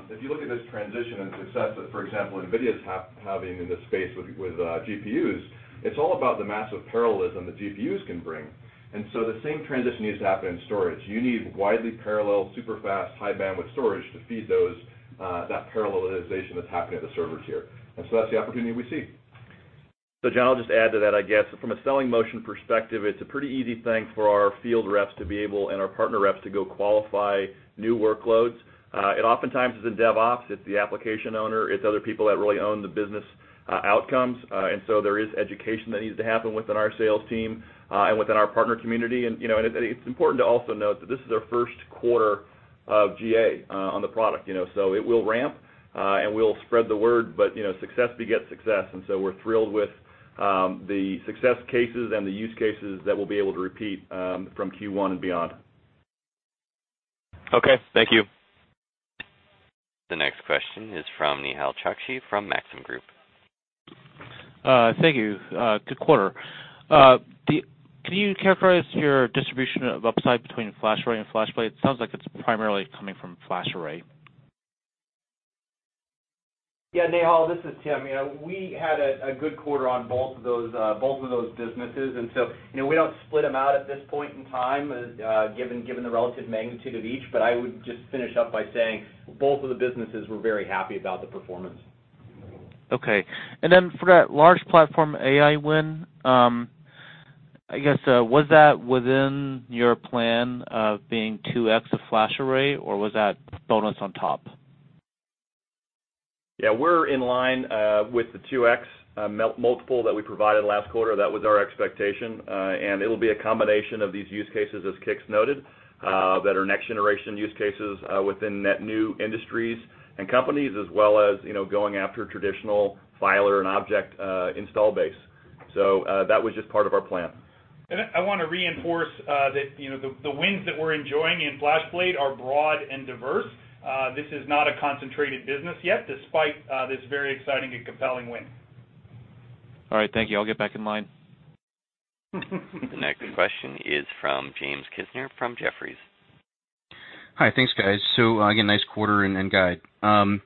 [SPEAKER 14] If you look at this transition and success that, for example, NVIDIA's having in this space with GPUs, it's all about the massive parallelism that GPUs can bring. So the same transition needs to happen in storage. You need widely parallel, super-fast, high-bandwidth storage to feed that parallelization that's happening at the servers here. So that's the opportunity we see.
[SPEAKER 4] John, I'll just add to that, I guess. From a selling motion perspective, it's a pretty easy thing for our field reps to be able, and our partner reps, to go qualify new workloads. It oftentimes is in DevOps, it's the application owner, it's other people that really own the business outcomes. There is education that needs to happen within our sales team, and within our partner community. It's important to also note that this is our first quarter of GA on the product. It will ramp, and we'll spread the word, but success begets success, and so we're thrilled with the success cases and the use cases that we'll be able to repeat from Q1 and beyond.
[SPEAKER 13] Okay. Thank you.
[SPEAKER 1] The next question is from Nehal Chokshi from Maxim Group.
[SPEAKER 15] Thank you. Good quarter.
[SPEAKER 4] Yeah.
[SPEAKER 15] Can you characterize your distribution of upside between FlashArray and FlashBlade? It sounds like it's primarily coming from FlashArray.
[SPEAKER 5] Yeah, Nihal, this is Tim. We had a good quarter on both of those businesses, so we don't split them out at this point in time given the relative magnitude of each. I would just finish up by saying both of the businesses, we're very happy about the performance.
[SPEAKER 15] Okay. For that large platform AI win, I guess was that within your plan of being 2X of FlashArray, or was that bonus on top?
[SPEAKER 4] Yeah, we're in line with the 2X multiple that we provided last quarter. That was our expectation. It'll be a combination of these use cases, as Kix noted, that are next-generation use cases within net new industries and companies as well as going after traditional filer and object install base. That was just part of our plan.
[SPEAKER 3] I want to reinforce that the wins that we're enjoying in FlashBlade are broad and diverse. This is not a concentrated business yet, despite this very exciting and compelling win.
[SPEAKER 15] All right, thank you. I'll get back in line.
[SPEAKER 1] The next question is from James Kisner from Jefferies.
[SPEAKER 16] Hi. Thanks, guys. Again, nice quarter and guide. Appreciate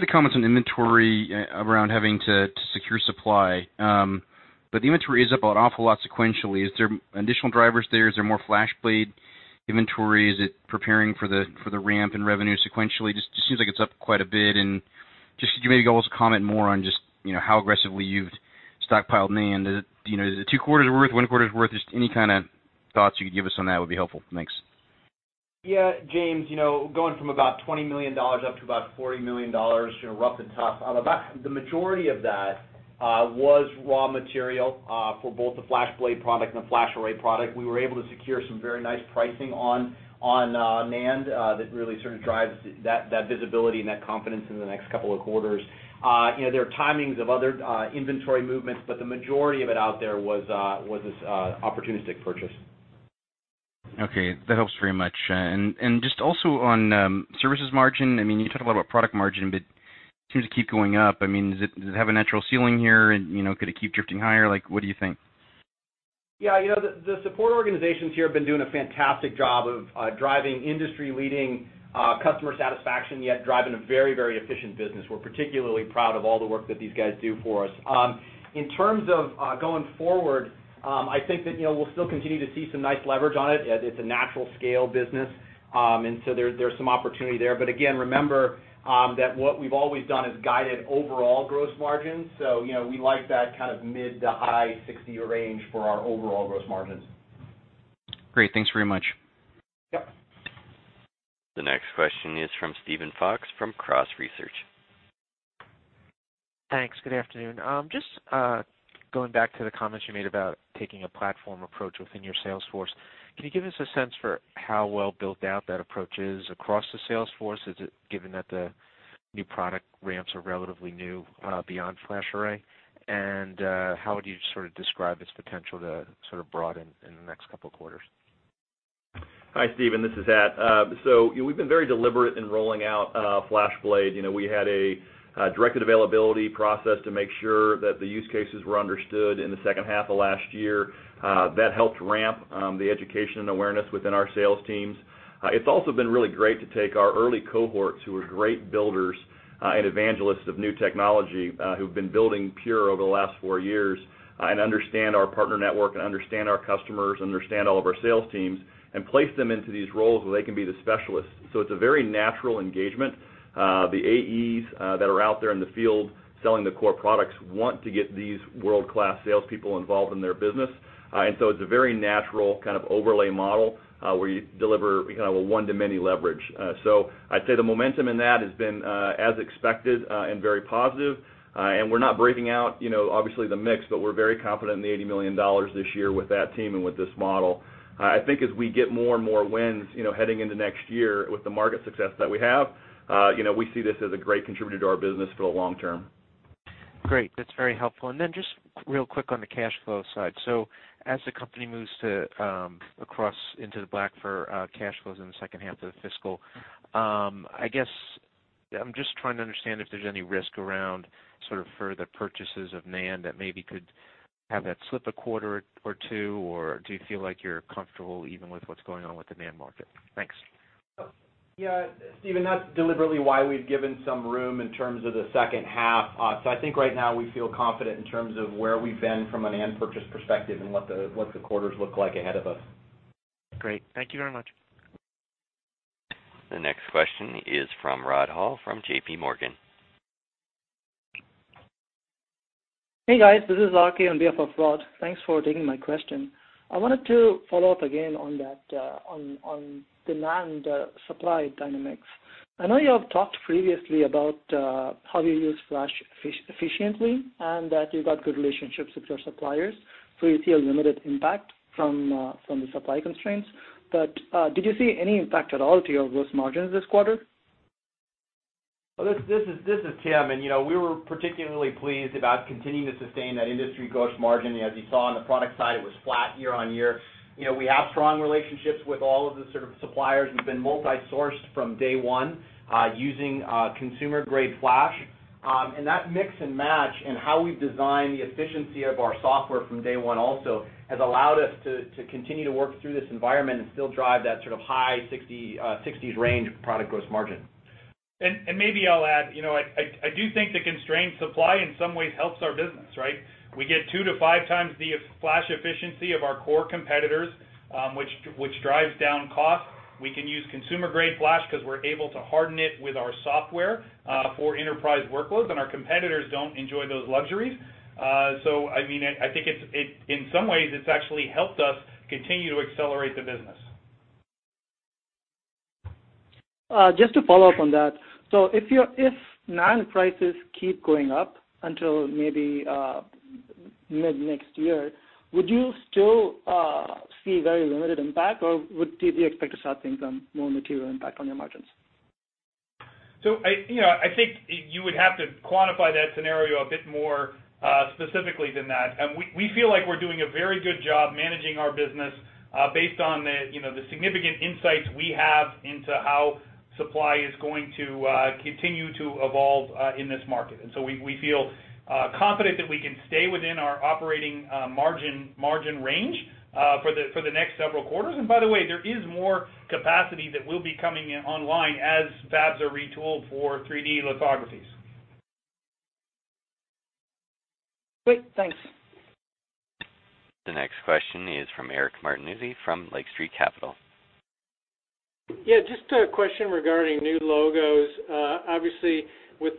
[SPEAKER 16] the comments on inventory around having to secure supply. The inventory is up an awful lot sequentially. Is there additional drivers there? Is there more FlashBlade inventory? Is it preparing for the ramp in revenue sequentially? Just seems like it's up quite a bit, and just could you maybe also comment more on just how aggressively you've stockpiled NAND? Is it two quarters worth, one quarter's worth? Just any kind of thoughts you could give us on that would be helpful. Thanks.
[SPEAKER 5] Yeah, James, going from about $20 million up to about $40 million, rough and tough, the majority of that was raw material for both the FlashBlade product and the FlashArray product. We were able to secure some very nice pricing on NAND that really sort of drives that visibility and that confidence into the next couple of quarters. There are timings of other inventory movements, the majority of it out there was this opportunistic purchase.
[SPEAKER 16] Okay, that helps very much. Just also on services margin, you talked a lot about product margin, seems to keep going up. Does it have a natural ceiling here? Could it keep drifting higher? What do you think?
[SPEAKER 5] Yeah. The support organizations here have been doing a fantastic job of driving industry-leading customer satisfaction, yet driving a very efficient business. We're particularly proud of all the work that these guys do for us. In terms of going forward, I think that we'll still continue to see some nice leverage on it, as it's a natural scale business. There's some opportunity there. Again, remember, that what we've always done is guided overall gross margins. We like that kind of mid to high 60 range for our overall gross margins.
[SPEAKER 16] Great. Thanks very much.
[SPEAKER 5] Yep.
[SPEAKER 1] The next question is from Steven Fox from Cross Research.
[SPEAKER 17] Thanks. Good afternoon. Just going back to the comments you made about taking a platform approach within your sales force, can you give us a sense for how well built out that approach is across the sales force, given that the new product ramps are relatively new, beyond FlashArray? How would you sort of describe its potential to broaden in the next couple of quarters?
[SPEAKER 4] Hi, Steven. This is Hat. We've been very deliberate in rolling out FlashBlade. We had a directed availability process to make sure that the use cases were understood in the second half of last year. That helped ramp the education and awareness within our sales teams. It's also been really great to take our early cohorts who are great builders evangelists of new technology who've been building Pure over the last four years and understand our partner network and understand our customers, understand all of our sales teams, and place them into these roles where they can be the specialists. It's a very natural engagement. The AEs that are out there in the field selling the core products want to get these world-class salespeople involved in their business. It's a very natural overlay model, where you deliver a one-to-many leverage. I'd say the momentum in that has been as expected and very positive. We're not breaking out obviously the mix, but we're very confident in the $80 million this year with that team and with this model. I think as we get more and more wins heading into next year with the market success that we have, we see this as a great contributor to our business for the long term.
[SPEAKER 17] Great. That's very helpful. Just real quick on the cash flow side. As the company moves across into the black for cash flows in the second half of the fiscal, I guess I'm just trying to understand if there's any risk around further purchases of NAND that maybe could have that slip a quarter or two, or do you feel like you're comfortable even with what's going on with the NAND market? Thanks.
[SPEAKER 5] Yeah. Stephen, that's deliberately why we've given some room in terms of the second half. I think right now we feel confident in terms of where we've been from a NAND purchase perspective and what the quarters look like ahead of us.
[SPEAKER 17] Great. Thank you very much.
[SPEAKER 1] The next question is from Rod Hall from JP Morgan.
[SPEAKER 18] Hey, guys. This is Aki on behalf of Rod. Thanks for taking my question. I wanted to follow up again on the NAND supply dynamics. I know you have talked previously about how you use flash efficiently and that you've got good relationships with your suppliers, you see a limited impact from the supply constraints. Did you see any impact at all to your gross margins this quarter?
[SPEAKER 5] This is Tim. We were particularly pleased about continuing to sustain that industry gross margin. As you saw on the product side, it was flat year-on-year. We have strong relationships with all of the suppliers. We've been multi-sourced from day one using consumer-grade flash. That mix and match and how we've designed the efficiency of our software from day one also has allowed us to continue to work through this environment and still drive that high 60s range product gross margin.
[SPEAKER 3] Maybe I'll add, I do think the constrained supply in some ways helps our business, right? We get two to five times the flash efficiency of our core competitors, which drives down cost. We can use consumer-grade flash because we're able to harden it with our software for enterprise workloads, and our competitors don't enjoy those luxuries. I think in some ways, it's actually helped us continue to accelerate the business.
[SPEAKER 18] Just to follow up on that. If NAND prices keep going up until maybe mid-next year, would you still see very limited impact, or would you expect to start seeing some more material impact on your margins?
[SPEAKER 3] I think you would have to quantify that scenario a bit more specifically than that. We feel like we're doing a very good job managing our business based on the significant insights we have into how supply is going to continue to evolve in this market. We feel confident that we can stay within our operating margin range for the next several quarters. By the way, there is more capacity that will be coming online as fabs are retooled for 3D lithography.
[SPEAKER 18] Great. Thanks.
[SPEAKER 1] The next question is from Eric Martinuzzi from Lake Street Capital.
[SPEAKER 19] Just a question regarding new logos. Obviously with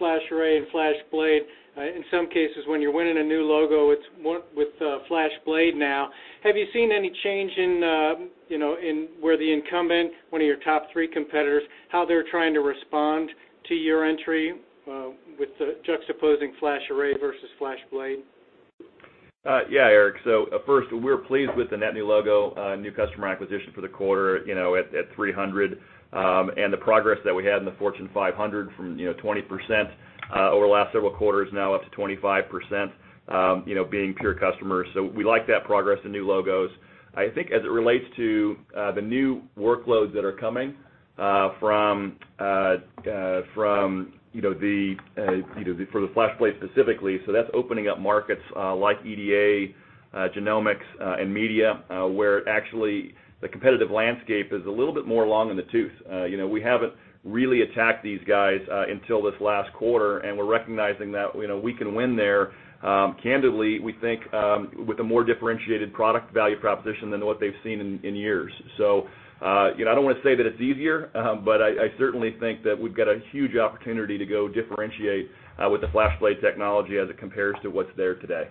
[SPEAKER 19] FlashArray and FlashBlade, in some cases when you're winning a new logo with FlashBlade now, have you seen any change in where the incumbent, one of your top three competitors, how they're trying to respond to your entry with juxtaposing FlashArray versus FlashBlade?
[SPEAKER 4] Eric. First, we're pleased with the net new logo, new customer acquisition for the quarter at 300, and the progress that we had in the Fortune 500 from 20% over the last several quarters, now up to 25%, being Pure customers. We like that progress in new logos. I think as it relates to the new workloads that are coming for the FlashBlade specifically, that's opening up markets like EDA, genomics, and media where actually the competitive landscape is a little bit more long in the tooth. We haven't really attacked these guys until this last quarter, and we're recognizing that we can win there, candidly, we think, with a more differentiated product value proposition than what they've seen in years. I don't want to say that it's easier, but I certainly think that we've got a huge opportunity to go differentiate with the FlashBlade technology as it compares to what's there today.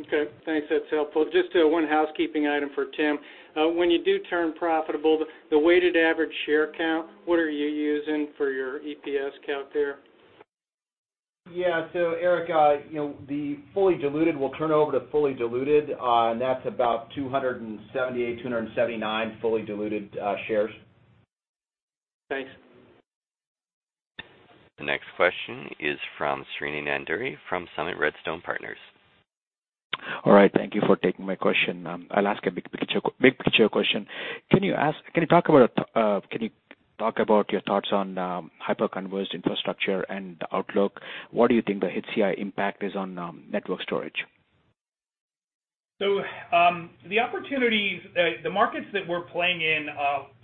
[SPEAKER 19] Okay. Thanks. That's helpful. Just one housekeeping item for Tim. When you do turn profitable, the weighted average share count, what are you using for your EPS count there?
[SPEAKER 5] Eric, we'll turn over to fully diluted, and that's about 278, 279 fully diluted shares.
[SPEAKER 19] Thanks.
[SPEAKER 1] The next question is from Srini Nandury from Summit Redstone Partners.
[SPEAKER 20] All right. Thank you for taking my question. I'll ask a big-picture question. Can you talk about your thoughts on hyper-converged infrastructure and outlook? What do you think the HCI impact is on network storage?
[SPEAKER 3] The markets that we're playing in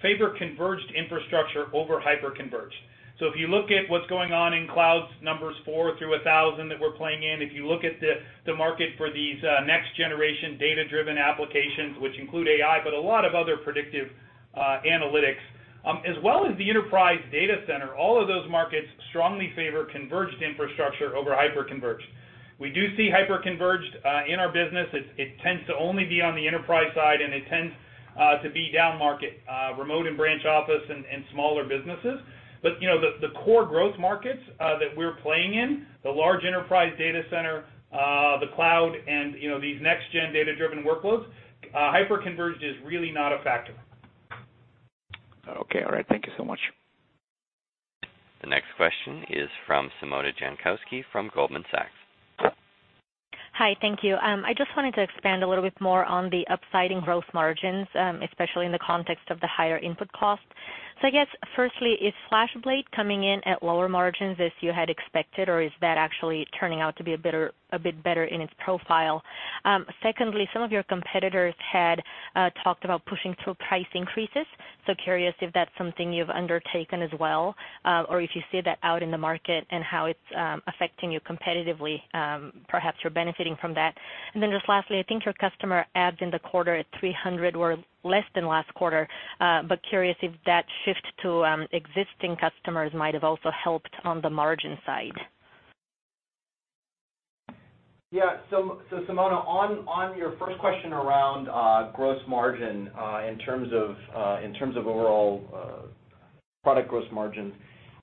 [SPEAKER 3] favor converged infrastructure over hyperconverged. If you look at what's going on in clouds numbers four through 1,000 that we're playing in, if you look at the market for these next generation data-driven applications, which include AI, but a lot of other predictive analytics, as well as the enterprise data center, all of those markets strongly favor converged infrastructure over hyperconverged. We do see hyperconverged in our business. It tends to only be on the enterprise side, and it tends to be down market, remote and branch office, and smaller businesses. The core growth markets that we're playing in, the large enterprise data center, the cloud, and these next gen data-driven workloads, hyperconverged is really not a factor.
[SPEAKER 20] Okay. All right. Thank you so much.
[SPEAKER 1] The next question is from Simona Jankowski from Goldman Sachs.
[SPEAKER 21] Hi, thank you. I just wanted to expand a little bit more on the upside in gross margins, especially in the context of the higher input costs. I guess firstly, is FlashBlade coming in at lower margins as you had expected, or is that actually turning out to be a bit better in its profile? Secondly, some of your competitors had talked about pushing through price increases, curious if that's something you've undertaken as well, or if you see that out in the market and how it's affecting you competitively, perhaps you're benefiting from that. Lastly, I think your customer adds in the quarter at 300 were less than last quarter, but curious if that shift to existing customers might have also helped on the margin side.
[SPEAKER 5] Simona, on your first question around gross margin, in terms of overall product gross margin.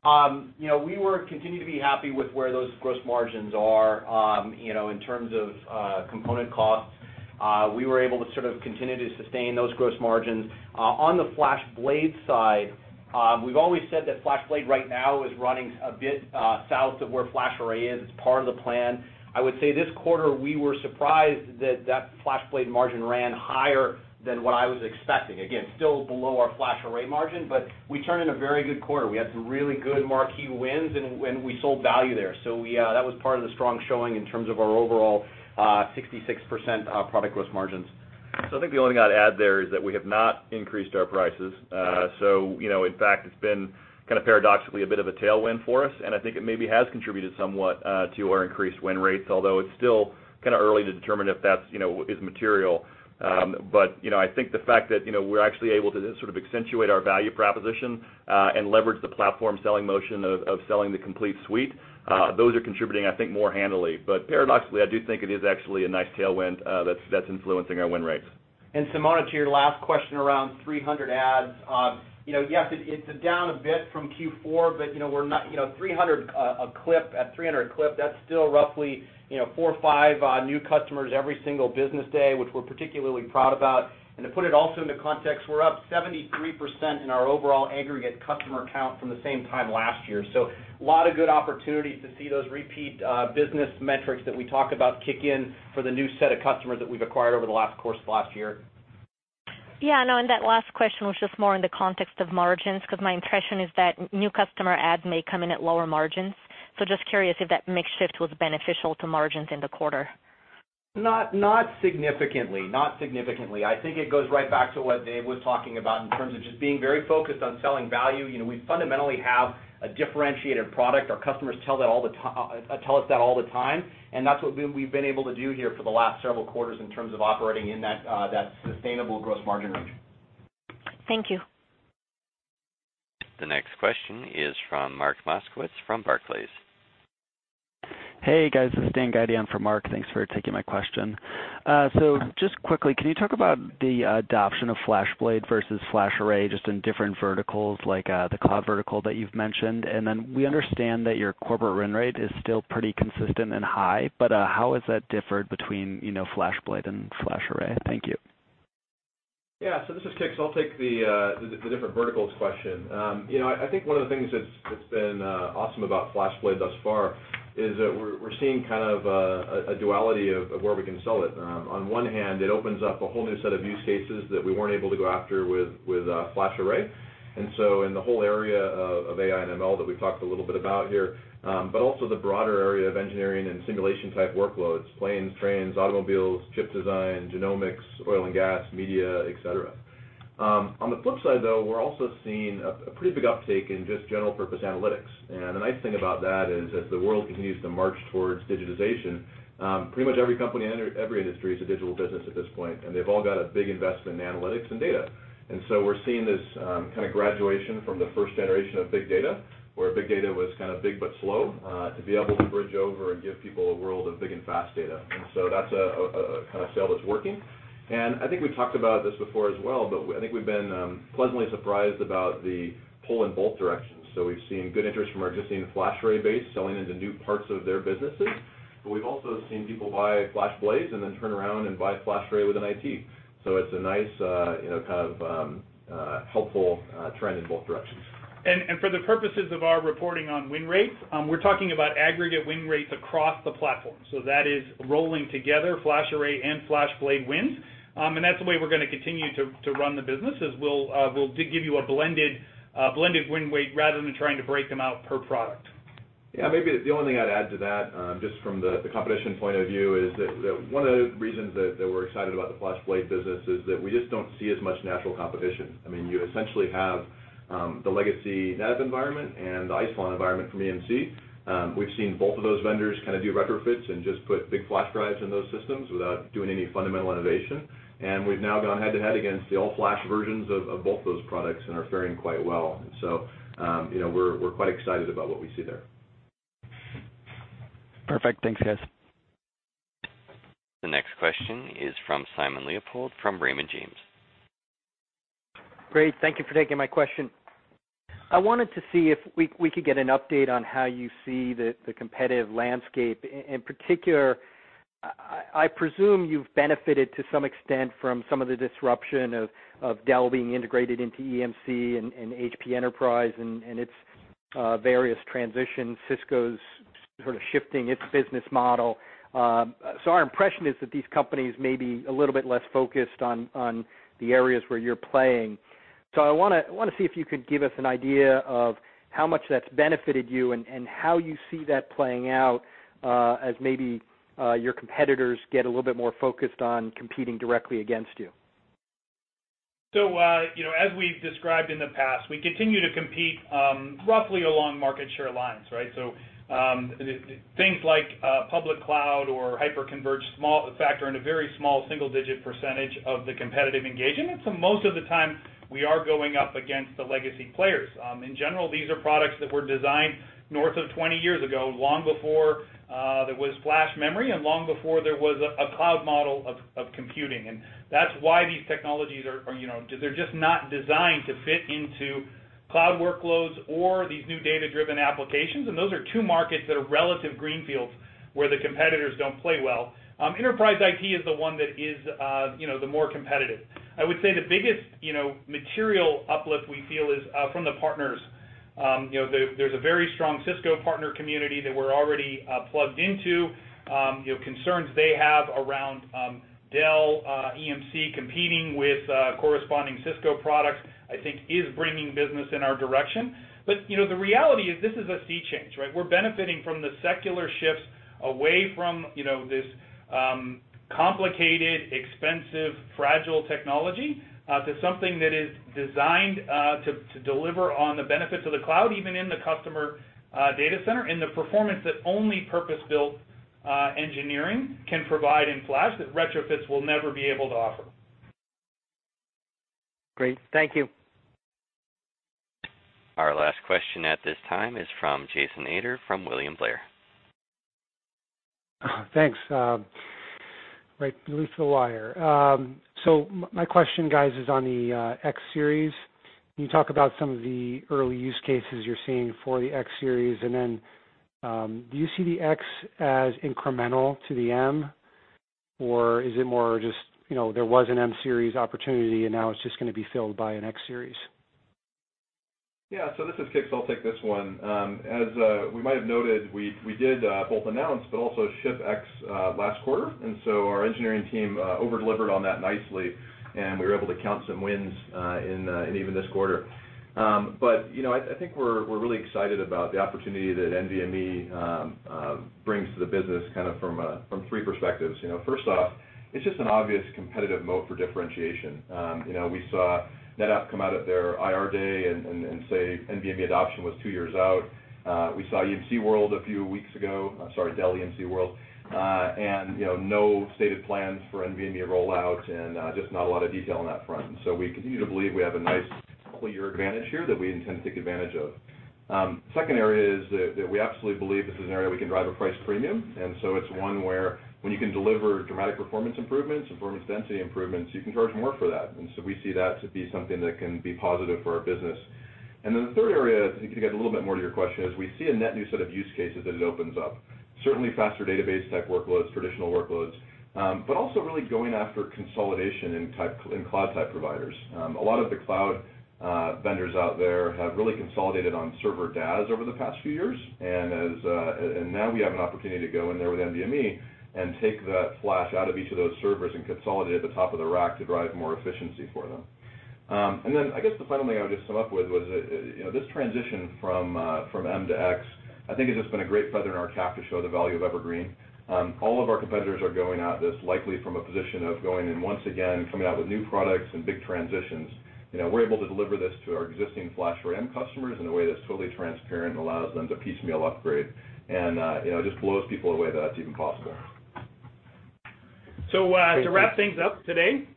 [SPEAKER 5] We continue to be happy with where those gross margins are. In terms of component costs, we were able to sort of continue to sustain those gross margins. On the FlashBlade side, we've always said that FlashBlade right now is running a bit south of where FlashArray is. It's part of the plan. I would say this quarter, we were surprised that FlashBlade margin ran higher than what I was expecting. Again, still below our FlashArray margin, but we turned in a very good quarter. We had some really good marquee wins, and we sold value there. That was part of the strong showing in terms of our overall 66% product gross margins.
[SPEAKER 4] I think the only thing I'd add there is that we have not increased our prices. In fact, it's been kind of paradoxically a bit of a tailwind for us, I think it maybe has contributed somewhat to our increased win rates, although it's still early to determine if that is material. I think the fact that we're actually able to sort of accentuate our value proposition, leverage the platform selling motion of selling the complete suite, those are contributing, I think, more handily. Paradoxically, I do think it is actually a nice tailwind that's influencing our win rates.
[SPEAKER 5] Simona, to your last question around 300 adds. Yes, it's down a bit from Q4, but at 300 clip, that's still roughly four, five new customers every single business day, which we're particularly proud about. To put it also into context, we're up 73% in our overall aggregate customer count from the same time last year. A lot of good opportunities to see those repeat business metrics that we talk about kick in for the new set of customers that we've acquired over the course of last year.
[SPEAKER 21] That last question was just more in the context of margins, because my impression is that new customer adds may come in at lower margins. Just curious if that mix shift was beneficial to margins in the quarter.
[SPEAKER 3] Not significantly. I think it goes right back to what David was talking about in terms of just being very focused on selling value. We fundamentally have a differentiated product. Our customers tell us that all the time, that's what we've been able to do here for the last several quarters in terms of operating in that sustainable gross margin range.
[SPEAKER 21] Thank you.
[SPEAKER 1] The next question is from Mark Moskowitz from Barclays.
[SPEAKER 22] Hey, guys. This is Dan Gaidian for Mark. Thanks for taking my question. Just quickly, can you talk about the adoption of FlashBlade versus FlashArray, just in different verticals like the cloud vertical that you've mentioned? We understand that your corporate run rate is still pretty consistent and high, but how has that differed between FlashBlade and FlashArray? Thank you.
[SPEAKER 14] This is Kix. I'll take the different verticals question. I think one of the things that's been awesome about FlashBlade thus far is that we're seeing a duality of where we can sell it. On one hand, it opens up a whole new set of use cases that we weren't able to go after with FlashArray. In the whole area of AI and ML that we've talked a little bit about here, but also the broader area of engineering and simulation type workloads, planes, trains, automobiles, chip design, genomics, oil and gas, media, et cetera. On the flip side, though, we're also seeing a pretty big uptake in just general purpose analytics. The nice thing about that is as the world continues to march towards digitization, pretty much every company in every industry is a digital business at this point, and they've all got a big investment in analytics and data. We're seeing this kind of graduation from the first generation of big data, where big data was big but slow, to be able to bridge over and give people a world of big and fast data. That's a kind of sale that's working. I think we've talked about this before as well, but I think we've been pleasantly surprised about the pull in both directions. We've seen good interest from our existing FlashArray base selling into new parts of their businesses, but we've also seen people buy FlashBlades and then turn around and buy FlashArray within IT.
[SPEAKER 4] It's a nice helpful trend in both directions.
[SPEAKER 3] For the purposes of our reporting on win rates, we're talking about aggregate win rates across the platform. That is rolling together FlashArray and FlashBlade wins. That's the way we're going to continue to run the business, is we'll give you a blended win rate rather than trying to break them out per product.
[SPEAKER 14] Maybe the only thing I'd add to that, just from the competition point of view, is that one of the reasons that we're excited about the FlashBlade business is that we just don't see as much natural competition. You essentially have the legacy NetApp environment and the Isilon environment from EMC. We've seen both of those vendors do retrofits and just put big flash drives in those systems without doing any fundamental innovation. We've now gone head-to-head against the all-flash versions of both those products and are faring quite well. We're quite excited about what we see there.
[SPEAKER 22] Perfect. Thanks, guys.
[SPEAKER 1] The next question is from Simon Leopold from Raymond James.
[SPEAKER 23] Great. Thank you for taking my question. I wanted to see if we could get an update on how you see the competitive landscape. In particular, I presume you've benefited to some extent from some of the disruption of Dell being integrated into EMC and HP Enterprise and its various transitions, Cisco's sort of shifting its business model. Our impression is that these companies may be a little bit less focused on the areas where you're playing. I want to see if you could give us an idea of how much that's benefited you and how you see that playing out, as maybe your competitors get a little bit more focused on competing directly against you.
[SPEAKER 3] As we've described in the past, we continue to compete roughly along market share lines, right? Things like public cloud or hyperconverged factor in a very small single-digit % of the competitive engagement. Most of the time we are going up against the legacy players. In general, these are products that were designed north of 20 years ago, long before there was flash memory and long before there was a cloud model of computing. That's why these technologies are just not designed to fit into cloud workloads or these new data-driven applications, and those are two markets that are relative greenfields where the competitors don't play well. Enterprise IT is the one that is the more competitive. I would say the biggest material uplift we feel is from the partners. There's a very strong Cisco partner community that we're already plugged into. Concerns they have around Dell EMC competing with corresponding Cisco products, I think, is bringing business in our direction. The reality is this is a sea change, right? We're benefiting from the secular shifts away from this complicated, expensive, fragile technology, to something that is designed to deliver on the benefits of the cloud, even in the customer data center, and the performance that only purpose-built engineering can provide in flash that retrofits will never be able to offer.
[SPEAKER 23] Great. Thank you.
[SPEAKER 1] Our last question at this time is from Jason Ader from William Blair.
[SPEAKER 24] Thanks. Right to the wire. My question, guys, is on the X series. Can you talk about some of the early use cases you're seeing for the X series? And then, do you see the X as incremental to the M, or is it more just there was an M series opportunity and now it's just going to be filled by an X series?
[SPEAKER 14] This is Kix, I'll take this one. As we might have noted, we did both announce, but also ship X last quarter. Our engineering team over-delivered on that nicely, and we were able to count some wins in even this quarter. I think we're really excited about the opportunity that NVMe brings to the business from three perspectives. First off, it's just an obvious competitive moat for differentiation. We saw NetApp come out at their IR day and say NVMe adoption was two years out. We saw EMC World a few weeks ago, sorry, Dell EMC World, and no stated plans for NVMe rollout and just not a lot of detail on that front. We continue to believe we have a nice clear advantage here that we intend to take advantage of. Second area is that we absolutely believe this is an area we can drive a price premium. It's one where when you can deliver dramatic performance improvements and performance density improvements, you can charge more for that. We see that to be something that can be positive for our business. The third area, I think to get a little bit more to your question, is we see a net new set of use cases that it opens up. Certainly faster database type workloads, traditional workloads. Also really going after consolidation in cloud-type providers. A lot of the cloud vendors out there have really consolidated on server DAS over the past few years. Now we have an opportunity to go in there with NVMe and take that flash out of each of those servers and consolidate at the top of the rack to drive more efficiency for them. I guess the final thing I would just sum up with was, this transition from M to X, I think has just been a great feather in our cap to show the value of Evergreen. All of our competitors are going at this likely from a position of going and once again coming out with new products and big transitions. We're able to deliver this to our existing FlashArray customers in a way that's totally transparent and allows them to piecemeal upgrade. It just blows people away that that's even possible.
[SPEAKER 3] To wrap things up today,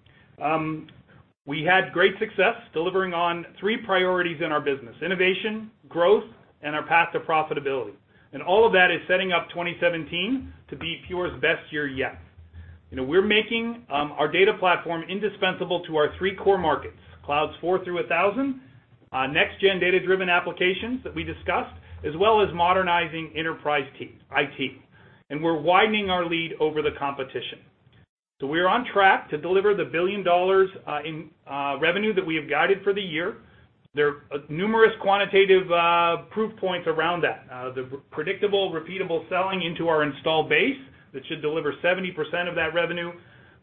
[SPEAKER 3] we had great success delivering on three priorities in our business, innovation, growth, and our path to profitability. All of that is setting up 2017 to be Pure's best year yet. We're making our data platform indispensable to our three core markets, clouds four through 1,000, next gen data-driven applications that we discussed, as well as modernizing enterprise IT. We're widening our lead over the competition. We are on track to deliver the $1 billion in revenue that we have guided for the year. There are numerous quantitative proof points around that. The predictable, repeatable selling into our installed base that should deliver 70% of that revenue,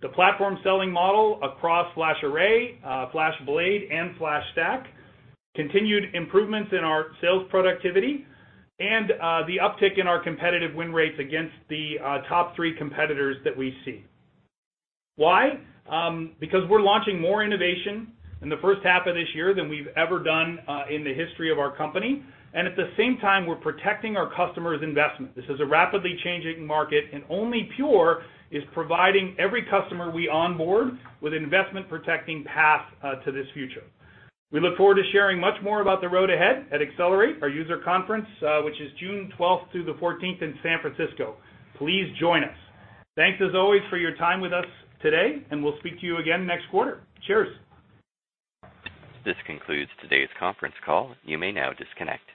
[SPEAKER 3] the platform selling model across FlashArray, FlashBlade, and FlashStack, continued improvements in our sales productivity, and the uptick in our competitive win rates against the top three competitors that we see. Why? Because we're launching more innovation in the first half of this year than we've ever done in the history of our company, and at the same time, we're protecting our customers' investment. This is a rapidly changing market, and only Pure is providing every customer we onboard with an investment-protecting path to this future. We look forward to sharing much more about the road ahead at Accelerate, our user conference, which is June 12th through the 14th in San Francisco. Please join us. Thanks as always for your time with us today, and we'll speak to you again next quarter. Cheers.
[SPEAKER 1] This concludes today's conference call. You may now disconnect.